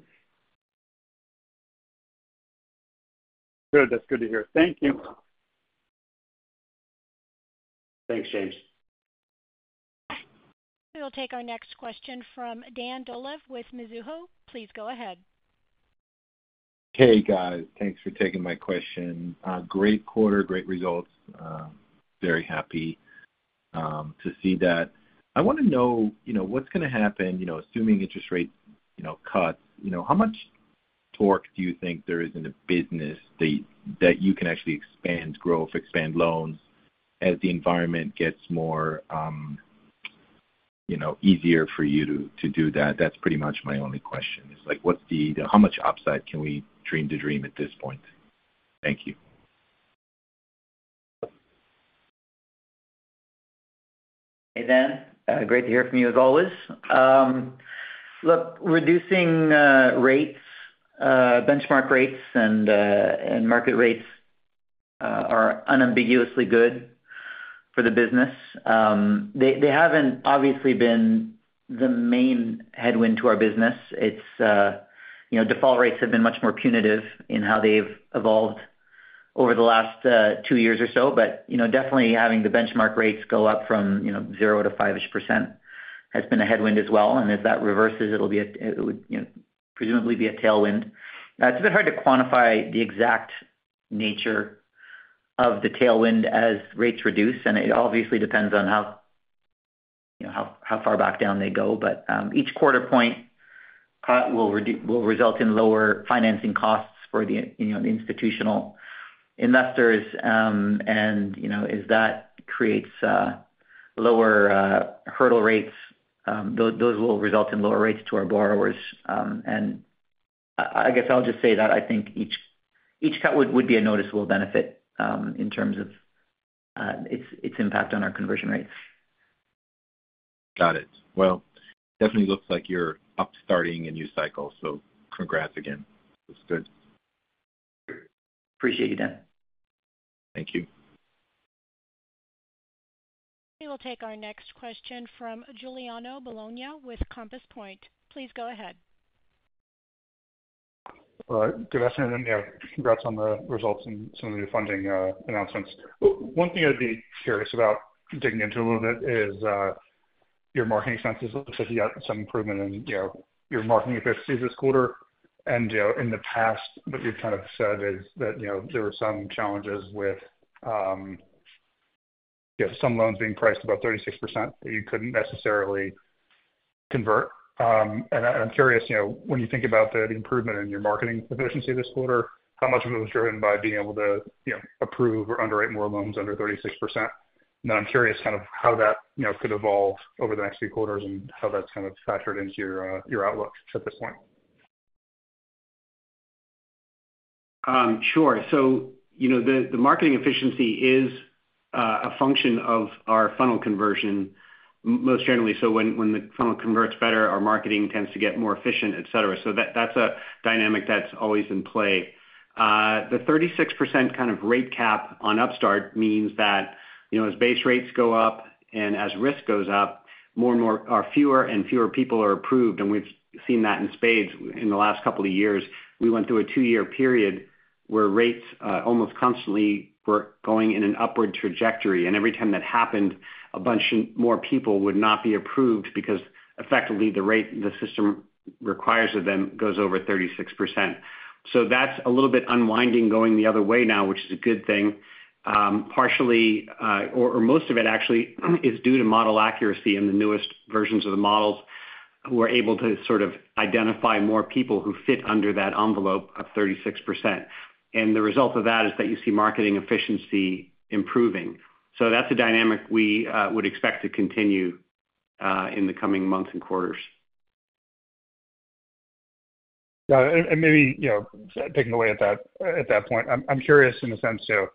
I: Good. That's good to hear. Thank you.
C: Thanks, James.
A: We will take our next question from Dan Dolev with Mizuho. Please go ahead.
J: Hey, guys. Thanks for taking my question. Great quarter, great results. Very happy to see that. I want to know, you know, what's gonna happen, you know, assuming interest rates, you know, cut, you know, how much torque do you think there is in the business that you can actually expand growth, expand loans as the environment gets more, you know, easier for you to do that? That's pretty much my only question is, like, what's the- how much upside can we dream to dream at this point? Thank you.
D: Hey, Dan. Great to hear from you as always. Look, reducing rates, benchmark rates and market rates, are unambiguously good for the business. They haven't obviously been the main headwind to our business. It's, you know, default rates have been much more punitive in how they've evolved over the last two years or so. But, you know, definitely having the benchmark rates go up from, you know, zero to five-ish% has been a headwind as well, and if that reverses, it'll be it would, you know, presumably be a tailwind. It's a bit hard to quantify the exact nature of the tailwind as rates reduce, and it obviously depends on how, you know, how far back down they go. But each quarter point cut will result in lower financing costs for the, you know, the institutional investors. And, you know, as that creates lower hurdle rates, those will result in lower rates to our borrowers. And I guess I'll just say that I think each cut would be a noticeable benefit in terms of its impact on our conversion rates.
J: Got it. Well, definitely looks like you're up, starting a new cycle, so congrats again. Looks good.
D: Appreciate you, Dan.
J: Thank you.
A: We will take our next question from Giuliano Bologna with Compass Point. Please go ahead.
K: Good afternoon, yeah, congrats on the results and some of the funding announcements. One thing I'd be curious about digging into a little bit is your marketing expenses. It looks like you got some improvement in, you know, your marketing efficiency this quarter. You know, in the past, what you've kind of said is that, you know, there were some challenges with, you know, some loans being priced about 36% that you couldn't necessarily convert. And I'm curious, you know, when you think about the improvement in your marketing efficiency this quarter, how much of it was driven by being able to, you know, approve or underwrite more loans under 36%? Now, I'm curious kind of how that, you know, could evolve over the next few quarters and how that's kind of factored into your, your outlook at this point.
C: Sure. So, you know, the marketing efficiency is a function of our funnel conversion most generally. So when the funnel converts better, our marketing tends to get more efficient, et cetera. So that's a dynamic that's always in play. The 36% kind of rate cap on Upstart means that, you know, as base rates go up and as risk goes up, more and more, or fewer and fewer people are approved, and we've seen that in spades in the last couple of years. We went through a two-year period where rates almost constantly were going in an upward trajectory, and every time that happened, a bunch more people would not be approved because effectively, the rate the system requires of them goes over 36%. So that's a little bit unwinding, going the other way now, which is a good thing. Partially, or most of it actually is due to model accuracy in the newest versions of the models, who are able to sort of identify more people who fit under that envelope of 36%. And the result of that is that you see marketing efficiency improving. So that's a dynamic we would expect to continue in the coming months and quarters.
K: Yeah, and maybe, you know, taking away at that point, I'm curious in the sense of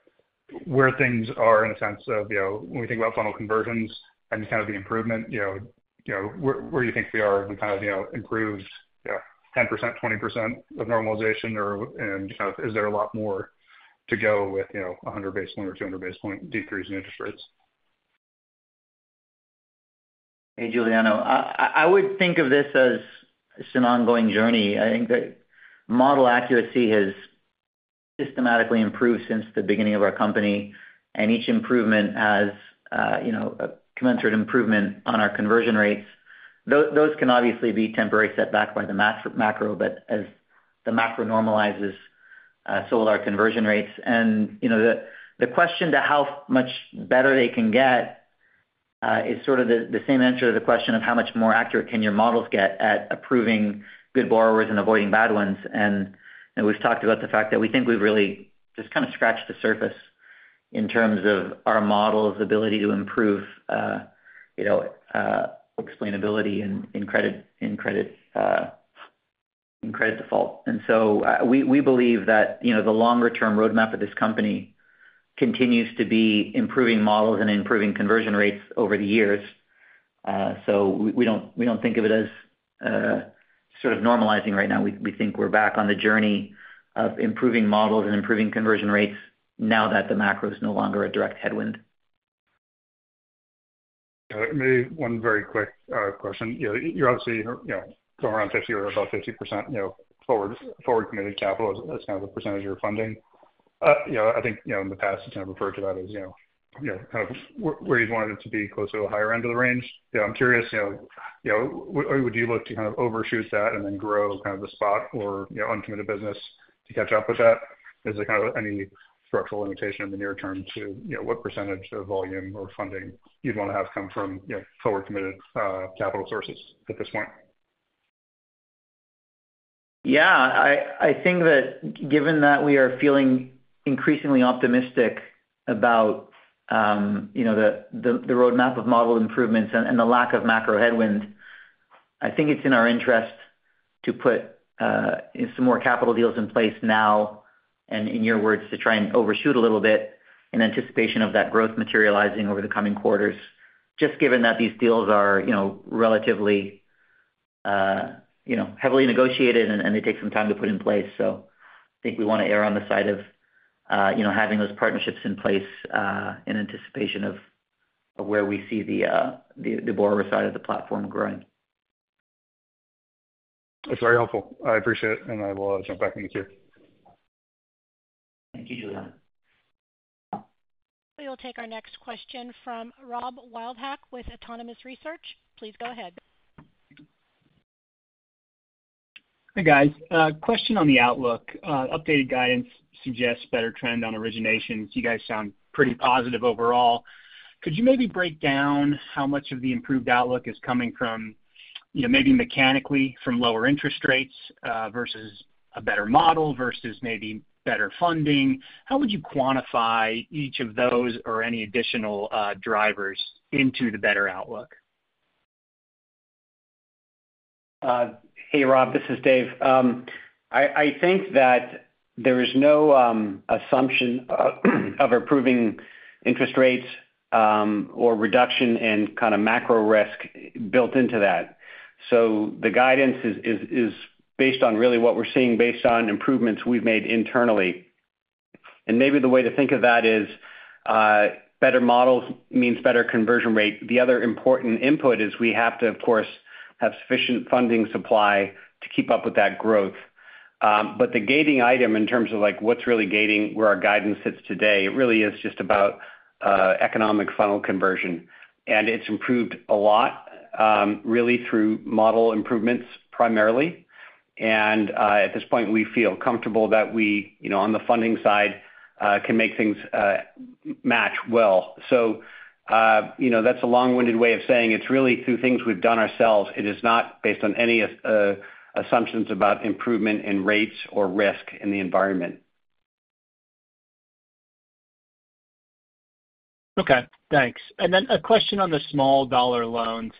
K: where things are in the sense of, you know, when we think about funnel conversions and kind of the improvement, you know, where do you think we are? We kind of improved 10%, 20% of normalization, or, and is there a lot more to go with, you know, a 100 basis point or 200 basis point decrease in interest rates?
D: Hey, Giuliano. I would think of this as just an ongoing journey. I think that model accuracy has systematically improved since the beginning of our company, and each improvement has, you know, a commensurate improvement on our conversion rates. Those can obviously be temporary set back by the macro, but as the macro normalizes, so will our conversion rates. And, you know, the question to how much better they can get is sort of the same answer to the question of how much more accurate can your models get at approving good borrowers and avoiding bad ones. And we've talked about the fact that we think we've really just kind of scratched the surface in terms of our model's ability to improve, you know, explainability in credit default. We believe that, you know, the longer-term roadmap of this company continues to be improving models and improving conversion rates over the years. So we don't think of it as sort of normalizing right now. We think we're back on the journey of improving models and improving conversion rates now that the macro is no longer a direct headwind.
K: Maybe one very quick question. You know, you're obviously, you know, going around 50% or about 50%, you know, forward-committed capital as kind of a percentage of your funding. You know, I think, you know, in the past, you kind of referred to that as, you know, you know, kind of where you'd want it to be closer to the higher end of the range. Yeah, I'm curious, you know, you know, would you look to kind of overshoot that and then grow kind of the spot or, you know, uncommitted business to catch up with that? Is there kind of any structural limitation in the near term to, you know, what percentage of volume or funding you'd want to have come from, you know, forward-committed capital sources at this point?
D: Yeah, I think that given that we are feeling increasingly optimistic about, you know, the roadmap of model improvements and the lack of macro headwind, I think it's in our interest to put some more capital deals in place now, and in your words, to try and overshoot a little bit in anticipation of that growth materializing over the coming quarters. Just given that these deals are, you know, relatively, you know, heavily negotiated and they take some time to put in place. So I think we want to err on the side of, you know, having those partnerships in place, in anticipation of where we see the borrower side of the platform growing.
K: That's very helpful. I appreciate it, and I will jump back in with you.
D: Thank you, Giuliano.
A: We will take our next question from Rob Wildhack with Autonomous Research. Please go ahead.
L: Hi, guys. Question on the outlook. Updated guidance suggests better trend on originations. You guys sound pretty positive overall. Could you maybe break down how much of the improved outlook is coming from, you know, maybe mechanically from lower interest rates, versus a better model, versus maybe better funding? How would you quantify each of those or any additional, drivers into the better outlook?
C: Hey, Rob, this is Dave. I think that there is no assumption of improving interest rates or reduction in kind of macro risk built into that. So the guidance is based on really what we're seeing based on improvements we've made internally. And maybe the way to think of that is better models means better conversion rate. The other important input is we have to, of course, have sufficient funding supply to keep up with that growth. But the gating item in terms of, like, what's really gating, where our guidance sits today, it really is just about economic funnel conversion, and it's improved a lot really through model improvements primarily. And at this point, we feel comfortable that we you know on the funding side can make things match well. You know, that's a long-winded way of saying it's really through things we've done ourselves. It is not based on any assumptions about improvement in rates or risk in the environment.
L: Okay, thanks. And then a question on the small dollar loans.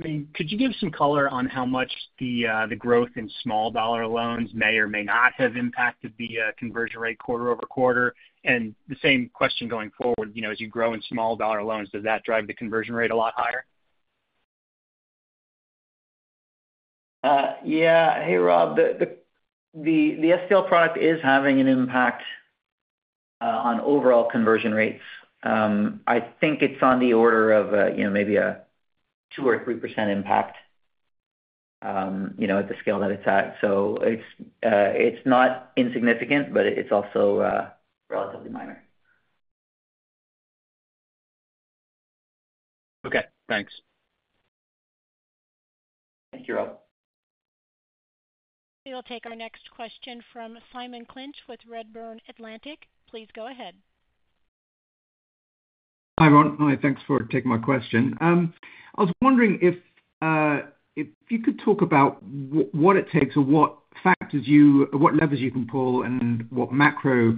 L: I mean, could you give some color on how much the growth in small dollar loans may or may not have impacted the conversion rate quarter-over-quarter? And the same question going forward, you know, as you grow in small dollar loans, does that drive the conversion rate a lot higher?...
C: Yeah. Hey, Rob, the SDL product is having an impact on overall conversion rates. I think it's on the order of, you know, maybe a 2 or 3% impact, you know, at the scale that it's at. So it's not insignificant, but it's also relatively minor. Okay, thanks. Thank you, Rob.
A: We will take our next question from Simon Clinch with Redburn Atlantic. Please go ahead.
M: Hi, everyone. Hi, thanks for taking my question. I was wondering if you could talk about what it takes or what factors you or what levers you can pull and what macro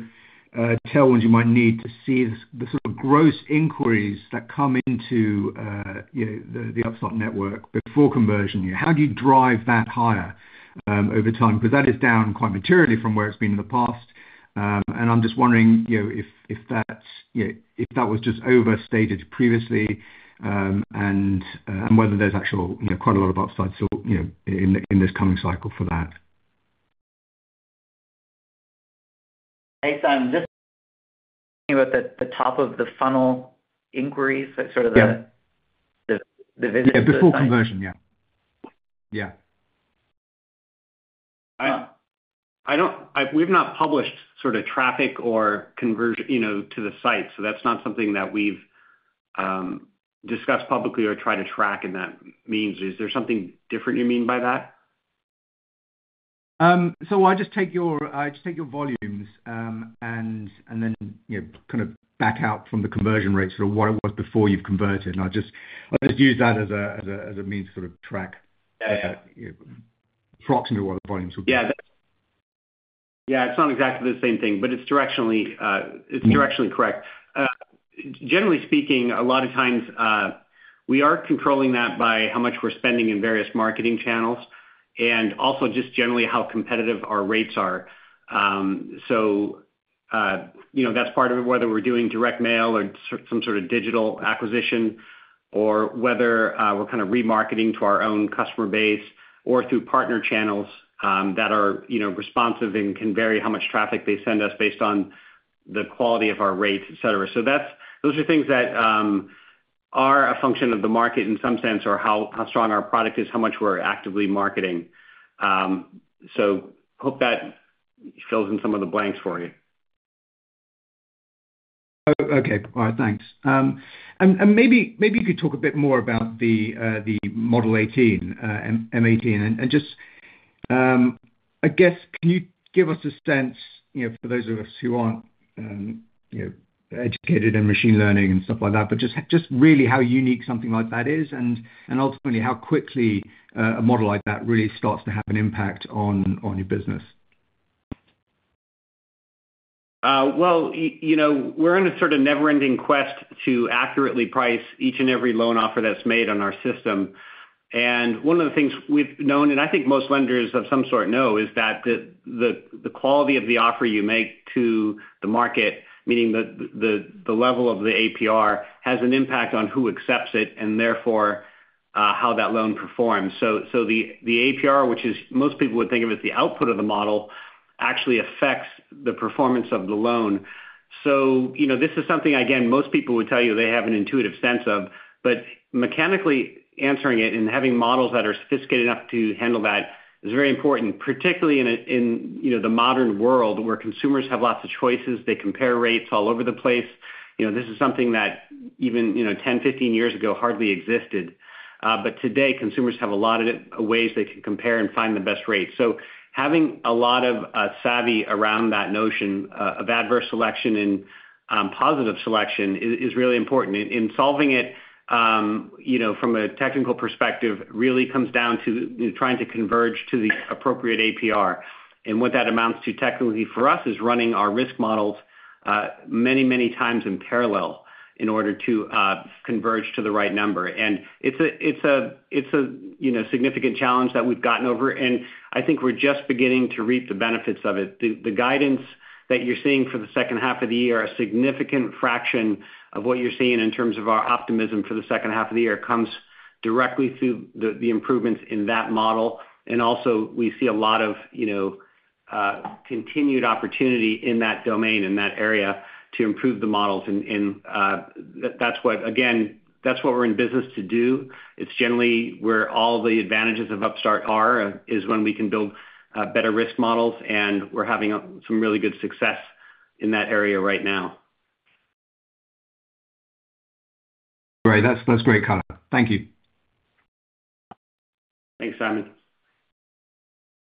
M: tailwinds you might need to see the sort of gross inquiries that come into you know the Upstart network before conversion. How do you drive that higher over time? Because that is down quite materially from where it's been in the past. And I'm just wondering you know if that was just overstated previously and whether there's actual you know quite a lot of upside sort you know in this coming cycle for that.
C: Hey, Simon, just the top of the funnel inquiries, so sort of the-
M: Yeah.
C: The, the-
M: Before conversion, yeah. Yeah.
C: I don't. We've not published sort of traffic or conversion, you know, to the site, so that's not something that we've discussed publicly or tried to track in that means. Is there something different you mean by that?
M: So I just take your volumes, and then, you know, kind of back out from the conversion rate, sort of what it was before you've converted, and I'll just use that as a means to sort of track-
C: Yeah, yeah.
M: Approximate what the volumes will be.
C: Yeah, that's... Yeah, it's not exactly the same thing, but it's directionally correct. Generally speaking, a lot of times, we are controlling that by how much we're spending in various marketing channels, and also just generally how competitive our rates are. So, you know, that's part of it, whether we're doing direct mail or some sort of digital acquisition, or whether we're kind of remarketing to our own customer base or through partner channels that are, you know, responsive and can vary how much traffic they send us based on the quality of our rates, et cetera. So that's those are things that are a function of the market in some sense, or how strong our product is, how much we're actively marketing. So hope that fills in some of the blanks for you.
M: Okay. All right, thanks. And maybe you could talk a bit more about the Model 18, M18. And just, I guess, can you give us a sense, you know, for those of us who aren't, you know, educated in machine learning and stuff like that, but just really how unique something like that is and ultimately how quickly a model like that really starts to have an impact on your business?
C: Well, you know, we're in a sort of never-ending quest to accurately price each and every loan offer that's made on our system. One of the things we've known, and I think most lenders of some sort know, is that the quality of the offer you make to the market, meaning the level of the APR, has an impact on who accepts it, and therefore, how that loan performs. The APR, which most people would think of as the output of the model, actually affects the performance of the loan. So, you know, this is something, again, most people would tell you they have an intuitive sense of, but mechanically answering it and having models that are sophisticated enough to handle that is very important, particularly in a, you know, the modern world, where consumers have lots of choices. They compare rates all over the place. You know, this is something that even, you know, 10, 15 years ago hardly existed. But today, consumers have a lot of ways they can compare and find the best rates. So having a lot of savvy around that notion of adverse selection and positive selection is really important. In solving it, you know, from a technical perspective, really comes down to trying to converge to the appropriate APR. And what that amounts to technically for us is running our risk models many, many times in parallel in order to converge to the right number. And it's a, you know, significant challenge that we've gotten over, and I think we're just beginning to reap the benefits of it. The guidance that you're seeing for the second half of the year, a significant fraction of what you're seeing in terms of our optimism for the second half of the year, comes directly through the improvements in that model. And also, we see a lot of, you know, continued opportunity in that domain, in that area, to improve the models. And that's what, again, that's what we're in business to do. It's generally where all the advantages of Upstart are, is when we can build, better risk models, and we're having some really good success in that area right now.
M: Great. That's, that's great, color. Thank you.
C: Thanks, Simon.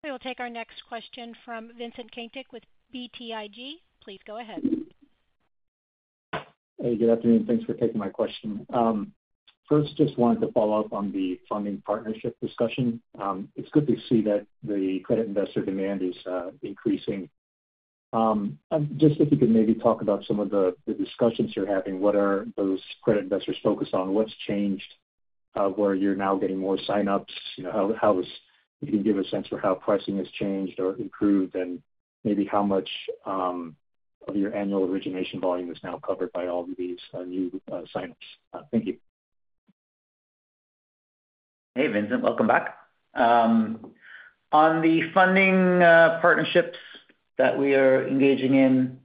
A: We will take our next question from Vincent Caintic of BTIG. Please go ahead.
N: Hey, good afternoon. Thanks for taking my question. First, just wanted to follow up on the funding partnership discussion. It's good to see that the credit investor demand is increasing. Just if you could maybe talk about some of the discussions you're having, what are those credit investors focused on? What's changed where you're now getting more sign-ups? You know, if you can give a sense for how pricing has changed or improved, and maybe how much of your annual origination volume is now covered by all these new sign-ups? Thank you.
D: Hey, Vincent, welcome back. On the funding partnerships that we are engaging in,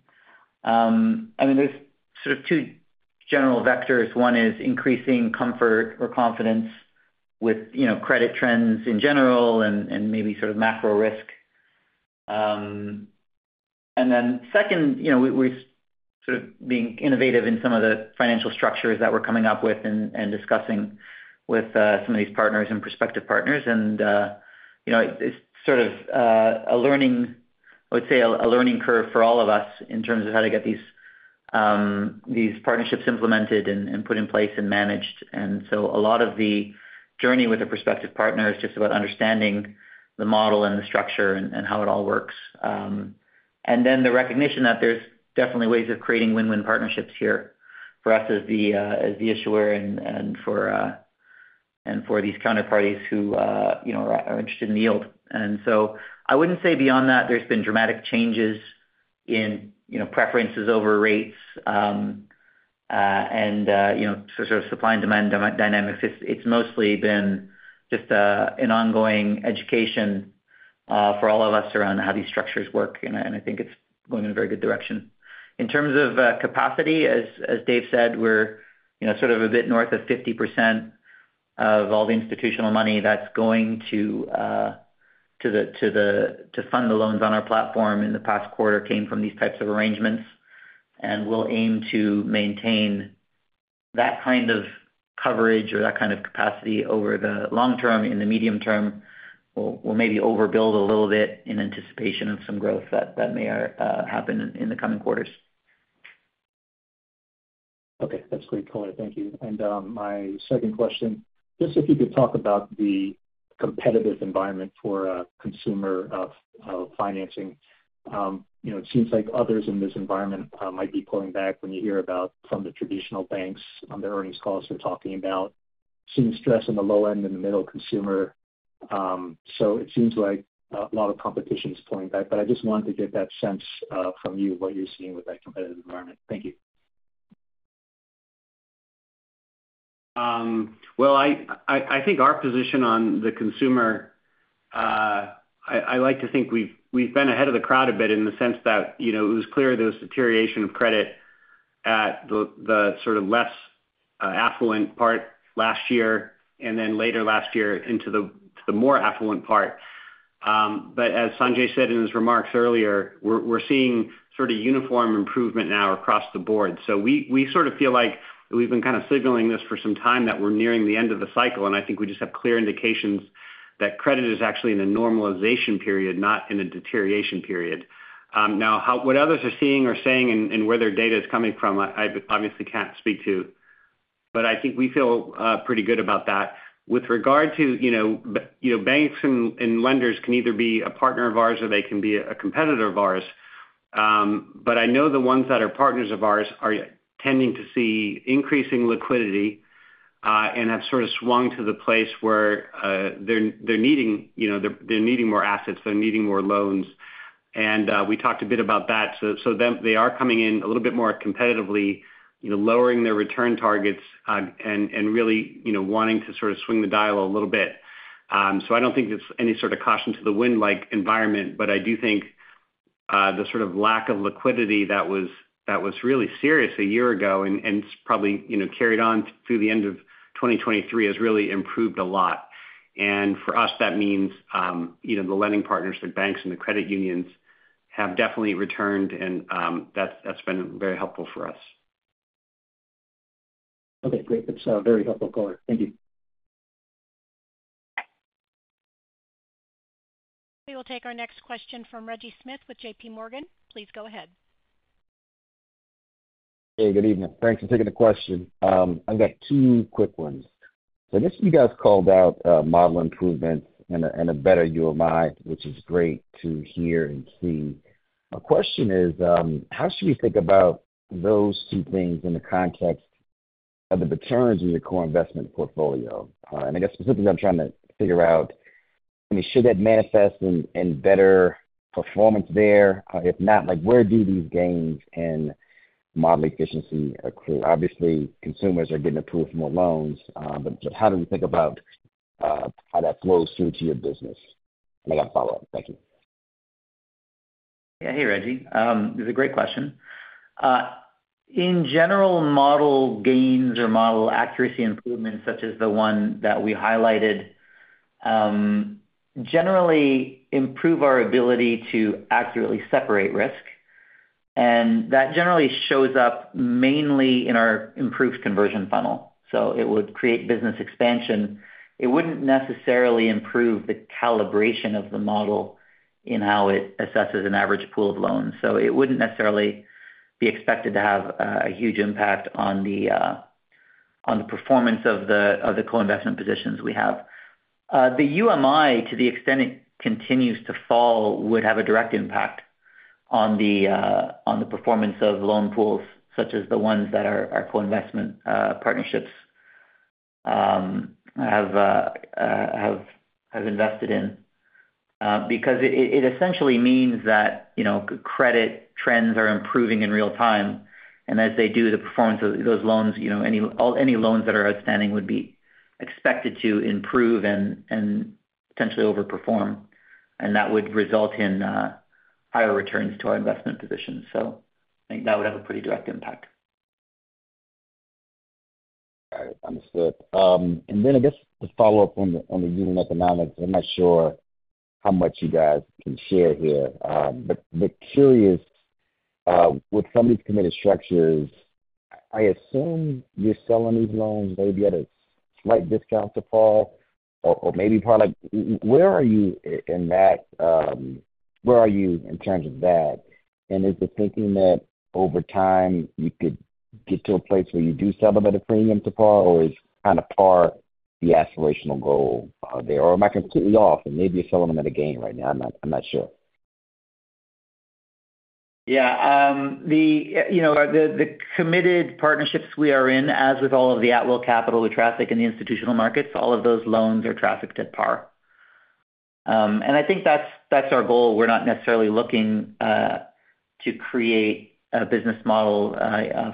D: I mean, there's sort of two general vectors. One is increasing comfort or confidence with, you know, credit trends in general and maybe sort of macro risk. And then second, you know, we're sort of being innovative in some of the financial structures that we're coming up with and discussing with some of these partners and prospective partners. And you know, it's sort of a learning, I would say, a learning curve for all of us in terms of how to get these partnerships implemented and put in place and managed. And so a lot of the journey with the prospective partner is just about understanding the model and the structure and how it all works. And then the recognition that there's definitely ways of creating win-win partnerships here for us as the issuer and for these counterparties who, you know, are interested in the yield. And so I wouldn't say beyond that, there's been dramatic changes in, you know, preferences over rates, and, you know, so sort of supply and demand dynamics. It's mostly been just an ongoing education for all of us around how these structures work, and I think it's going in a very good direction. In terms of capacity, as Dave said, we're, you know, sort of a bit north of 50% of all the institutional money that's going to fund the loans on our platform in the past quarter came from these types of arrangements. We'll aim to maintain that kind of coverage or that kind of capacity over the long term. In the medium term, we'll maybe overbuild a little bit in anticipation of some growth that may happen in the coming quarters.
N: Okay, that's great, Colin. Thank you. And my second question, just if you could talk about the competitive environment for consumer financing. You know, it seems like others in this environment might be pulling back when you hear about some of the traditional banks on their earnings calls, they're talking about seeing stress on the low end and the middle consumer. So it seems like a lot of competition is pulling back, but I just wanted to get that sense from you, what you're seeing with that competitive environment. Thank you.
C: Well, I think our position on the consumer, I like to think we've been ahead of the crowd a bit in the sense that, you know, it was clear there was deterioration of credit at the sort of less affluent part last year, and then later last year into the more affluent part. But as Sanjay said in his remarks earlier, we're seeing sort of uniform improvement now across the board. So we sort of feel like we've been kind of signaling this for some time, that we're nearing the end of the cycle, and I think we just have clear indications that credit is actually in a normalization period, not in a deterioration period. Now, what others are seeing or saying and where their data is coming from, I obviously can't speak to, but I think we feel pretty good about that. With regard to, you know, banks and lenders can either be a partner of ours or they can be a competitor of ours. But I know the ones that are partners of ours are tending to see increasing liquidity and have sort of swung to the place where they're needing, you know, more assets, they're needing more loans. And we talked a bit about that. So then they are coming in a little bit more competitively, you know, lowering their return targets and really, you know, wanting to sort of swing the dial a little bit. So, I don't think it's any sort of caution to the wind-like environment, but I do think the sort of lack of liquidity that was really serious a year ago, and probably, you know, carried on through the end of 2023, has really improved a lot. And for us, that means, you know, the lending partners, the banks and the credit unions, have definitely returned and, that's been very helpful for us.
N: Okay, great. That's very helpful, Colin. Thank you.
A: We will take our next question from Reggie Smith with JP Morgan. Please go ahead.
O: Hey, good evening. Thanks for taking the question. I've got two quick ones. So I guess you guys called out model improvements and a better UMI, which is great to hear and see. My question is, how should we think about those two things in the context of the returns in your core investment portfolio? And I guess specifically, I'm trying to figure out, I mean, should that manifest in better performance there? If not, like, where do these gains and model efficiency accrue? Obviously, consumers are getting approved for more loans, but just how do we think about how that flows through to your business? And I got a follow-up. Thank you.
C: Yeah. Hey, Reggie, it's a great question. In general, model gains or model accuracy improvements, such as the one that we highlighted, generally improve our ability to accurately separate risk, and that generally shows up mainly in our improved conversion funnel. So it would create business expansion. It wouldn't necessarily improve the calibration of the model in how it assesses an average pool of loans. So it wouldn't necessarily be expected to have a huge impact on the performance of the co-investment positions we have. The UMI, to the extent it continues to fall, would have a direct impact on the performance of loan pools, such as the ones that are our co-investment partnerships have invested in. Because it essentially means that, you know, credit trends are improving in real time, and as they do, the performance of those loans, you know, all loans that are outstanding would be expected to improve and potentially overperform, and that would result in higher returns to our investment position. So I think that would have a pretty direct impact.
O: All right, understood. And then I guess just follow up on the unit economics. I'm not sure how much you guys can share here. But curious, with some of these committed structures, I assume you're selling these loans maybe at a slight discount to par or maybe par like... Where are you in that, where are you in terms of that? And is the thinking that over time you could get to a place where you do sell them at a premium to par, or is kind of par the aspirational goal there? Or am I completely off, and maybe you're selling them at a gain right now? I'm not sure.
C: Yeah. You know, the committed partnerships we are in, as with all of the at-will capital, we traffic in the institutional markets. All of those loans are trafficked at par. And I think that's our goal. We're not necessarily looking to create a business model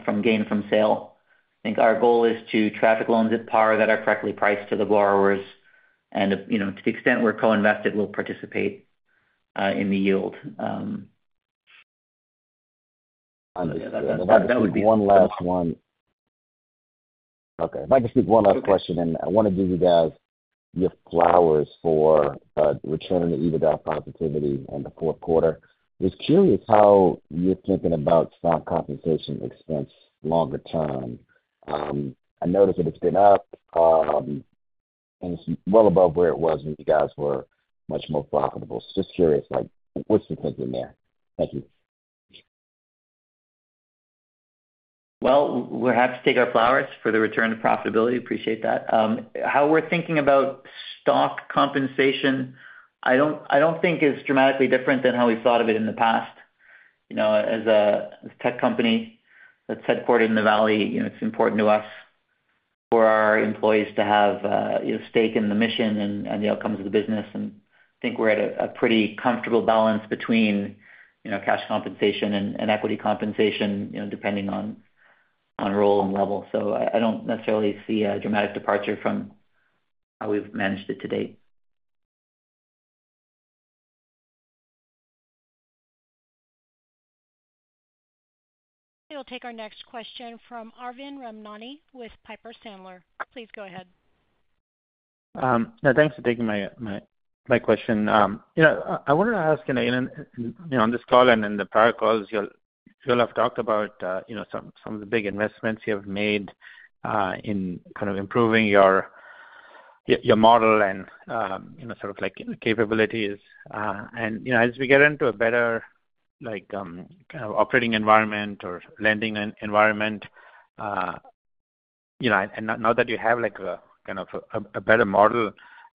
C: from gain from sale. I think our goal is to traffic loans at par that are correctly priced to the borrowers, and you know, to the extent we're co-invested, we'll participate in the yield. Yeah, that would be-
O: One last one. Okay, if I can just ask one last question, and I want to give you guys your flowers for returning to EBITDA profitability in the fourth quarter. Just curious how you're thinking about stock compensation expense longer term. I noticed that it's been up, and well above where it was when you guys were much more profitable. So just curious, like, what's the thinking there? Thank you.
C: Well, we're happy to take our flowers for the return to profitability. Appreciate that. How we're thinking about stock compensation, I don't think is dramatically different than how we've thought of it in the past. You know, as a tech company that's headquartered in the Valley, you know, it's important to us for our employees to have a stake in the mission and the outcomes of the business. And I think we're at a pretty comfortable balance between, you know, cash compensation and equity compensation, you know, depending on role and level. So I don't necessarily see a dramatic departure from how we've managed it to date.
A: We'll take our next question from Arvind Ramnani with Piper Sandler. Please go ahead.
P: Yeah, thanks for taking my question. You know, I wanted to ask, you know, on this call and in the prior calls, you'll have talked about, you know, some of the big investments you have made in kind of improving your model and, you know, sort of like capabilities. And, you know, as we get into a better, like, kind of operating environment or lending environment, you know, and now that you have like a kind of a better model,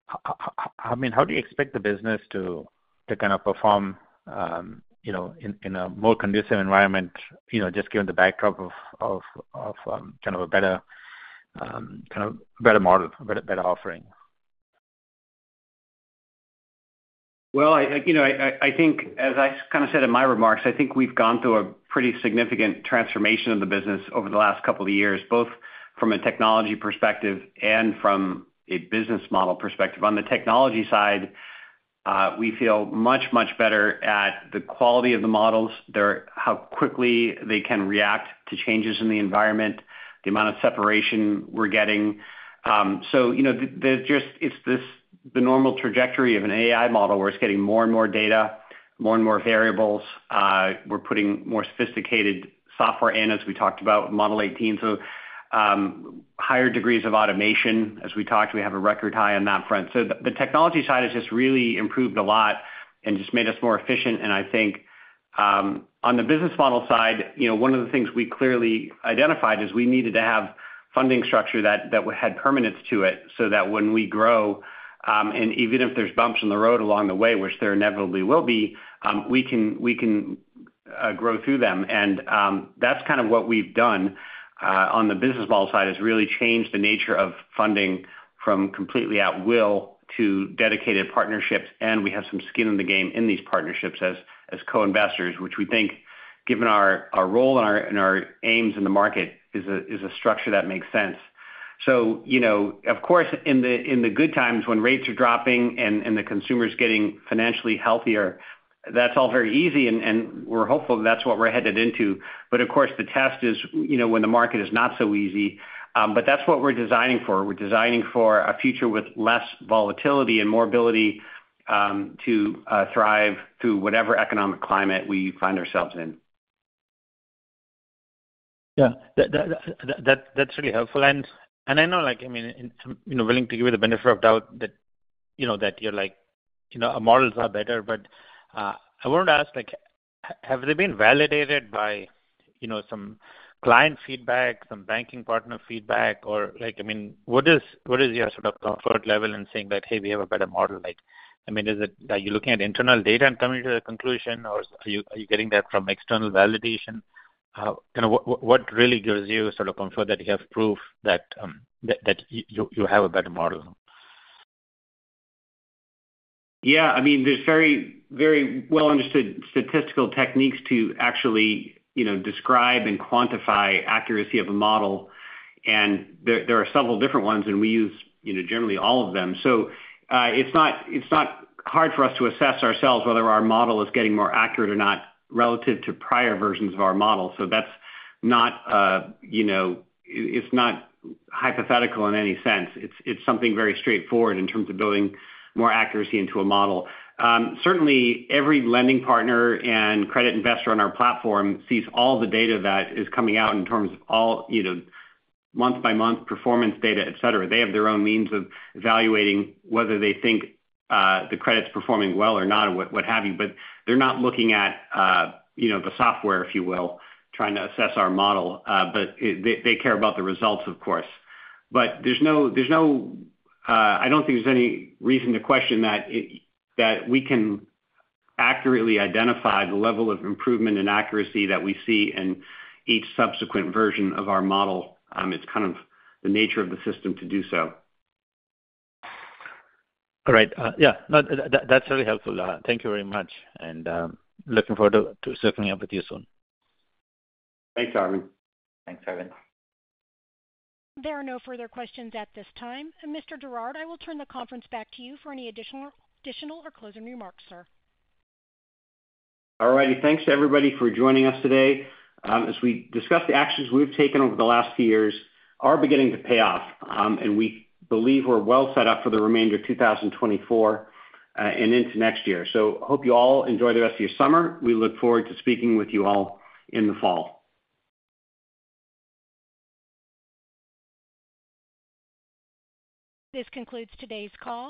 P: how, I mean, how do you expect the business to kind of perform, you know, in a more conducive environment, you know, just given the backdrop of, kind of a better kind of better model, better offering?
C: Well, you know, I think as I kind of said in my remarks, I think we've gone through a pretty significant transformation of the business over the last couple of years, both from a technology perspective and from a business model perspective. On the technology side, we feel much, much better at the quality of the models, their... how quickly they can react to changes in the environment, the amount of separation we're getting. So, you know, the, there's just, it's this, the normal trajectory of an AI model where it's getting more and more data, more and more variables. We're putting more sophisticated software in, as we talked about, Model 18. So, higher degrees of automation as we talked, we have a record high on that front. So the technology side has just really improved a lot and just made us more efficient. And I think, on the business model side, you know, one of the things we clearly identified is we needed to have funding structure that had permanence to it, so that when we grow, and even if there's bumps in the road along the way, which there inevitably will be, we can grow through them. And, that's kind of what we've done, on the business model side, is really change the nature of funding from completely at will to dedicated partnerships. And we have some skin in the game in these partnerships as co-investors, which we think, given our role and our aims in the market, is a structure that makes sense. So you know, of course, in the good times when rates are dropping and the consumer is getting financially healthier, that's all very easy, and we're hopeful that's what we're headed into. But of course, the test is, you know, when the market is not so easy, but that's what we're designing for. We're designing for a future with less volatility and more ability to thrive through whatever economic climate we find ourselves in.
P: Yeah, that's really helpful. And I know, like, I mean, you know, willing to give you the benefit of the doubt that, you know, that you're like, you know, our models are better. But I want to ask, like, have they been validated by, you know, some client feedback, some banking partner feedback, or like, I mean, what is your sort of comfort level in saying that, "Hey, we have a better model?" Like, I mean, are you looking at internal data and coming to the conclusion, or are you getting that from external validation? Kind of what really gives you sort of comfort that you have proof that, that you have a better model?
C: ...Yeah, I mean, there's very, very well-understood statistical techniques to actually, you know, describe and quantify accuracy of a model. And there are several different ones, and we use, you know, generally all of them. So, it's not, it's not hard for us to assess ourselves whether our model is getting more accurate or not relative to prior versions of our model. So that's not, you know, it's not hypothetical in any sense. It's, it's something very straightforward in terms of building more accuracy into a model. Certainly, every lending partner and credit investor on our platform sees all the data that is coming out in terms of all, you know, month-by-month performance data, et cetera. They have their own means of evaluating whether they think the credit's performing well or not, or what have you. But they're not looking at, you know, the software, if you will, trying to assess our model. But they care about the results, of course. But there's no reason to question that we can accurately identify the level of improvement and accuracy that we see in each subsequent version of our model. It's kind of the nature of the system to do so.
P: All right. Yeah, no, that, that's really helpful. Thank you very much, and looking forward to circling up with you soon.
C: Thanks, Arvind.
D: Thanks, Arvind.
A: There are no further questions at this time. Mr. Girouard, I will turn the conference back to you for any additional or closing remarks, sir.
C: All righty. Thanks, everybody, for joining us today. As we discussed, the actions we've taken over the last few years are beginning to pay off, and we believe we're well set up for the remainder of 2024, and into next year. So hope you all enjoy the rest of your summer. We look forward to speaking with you all in the fall.
A: This concludes today's call.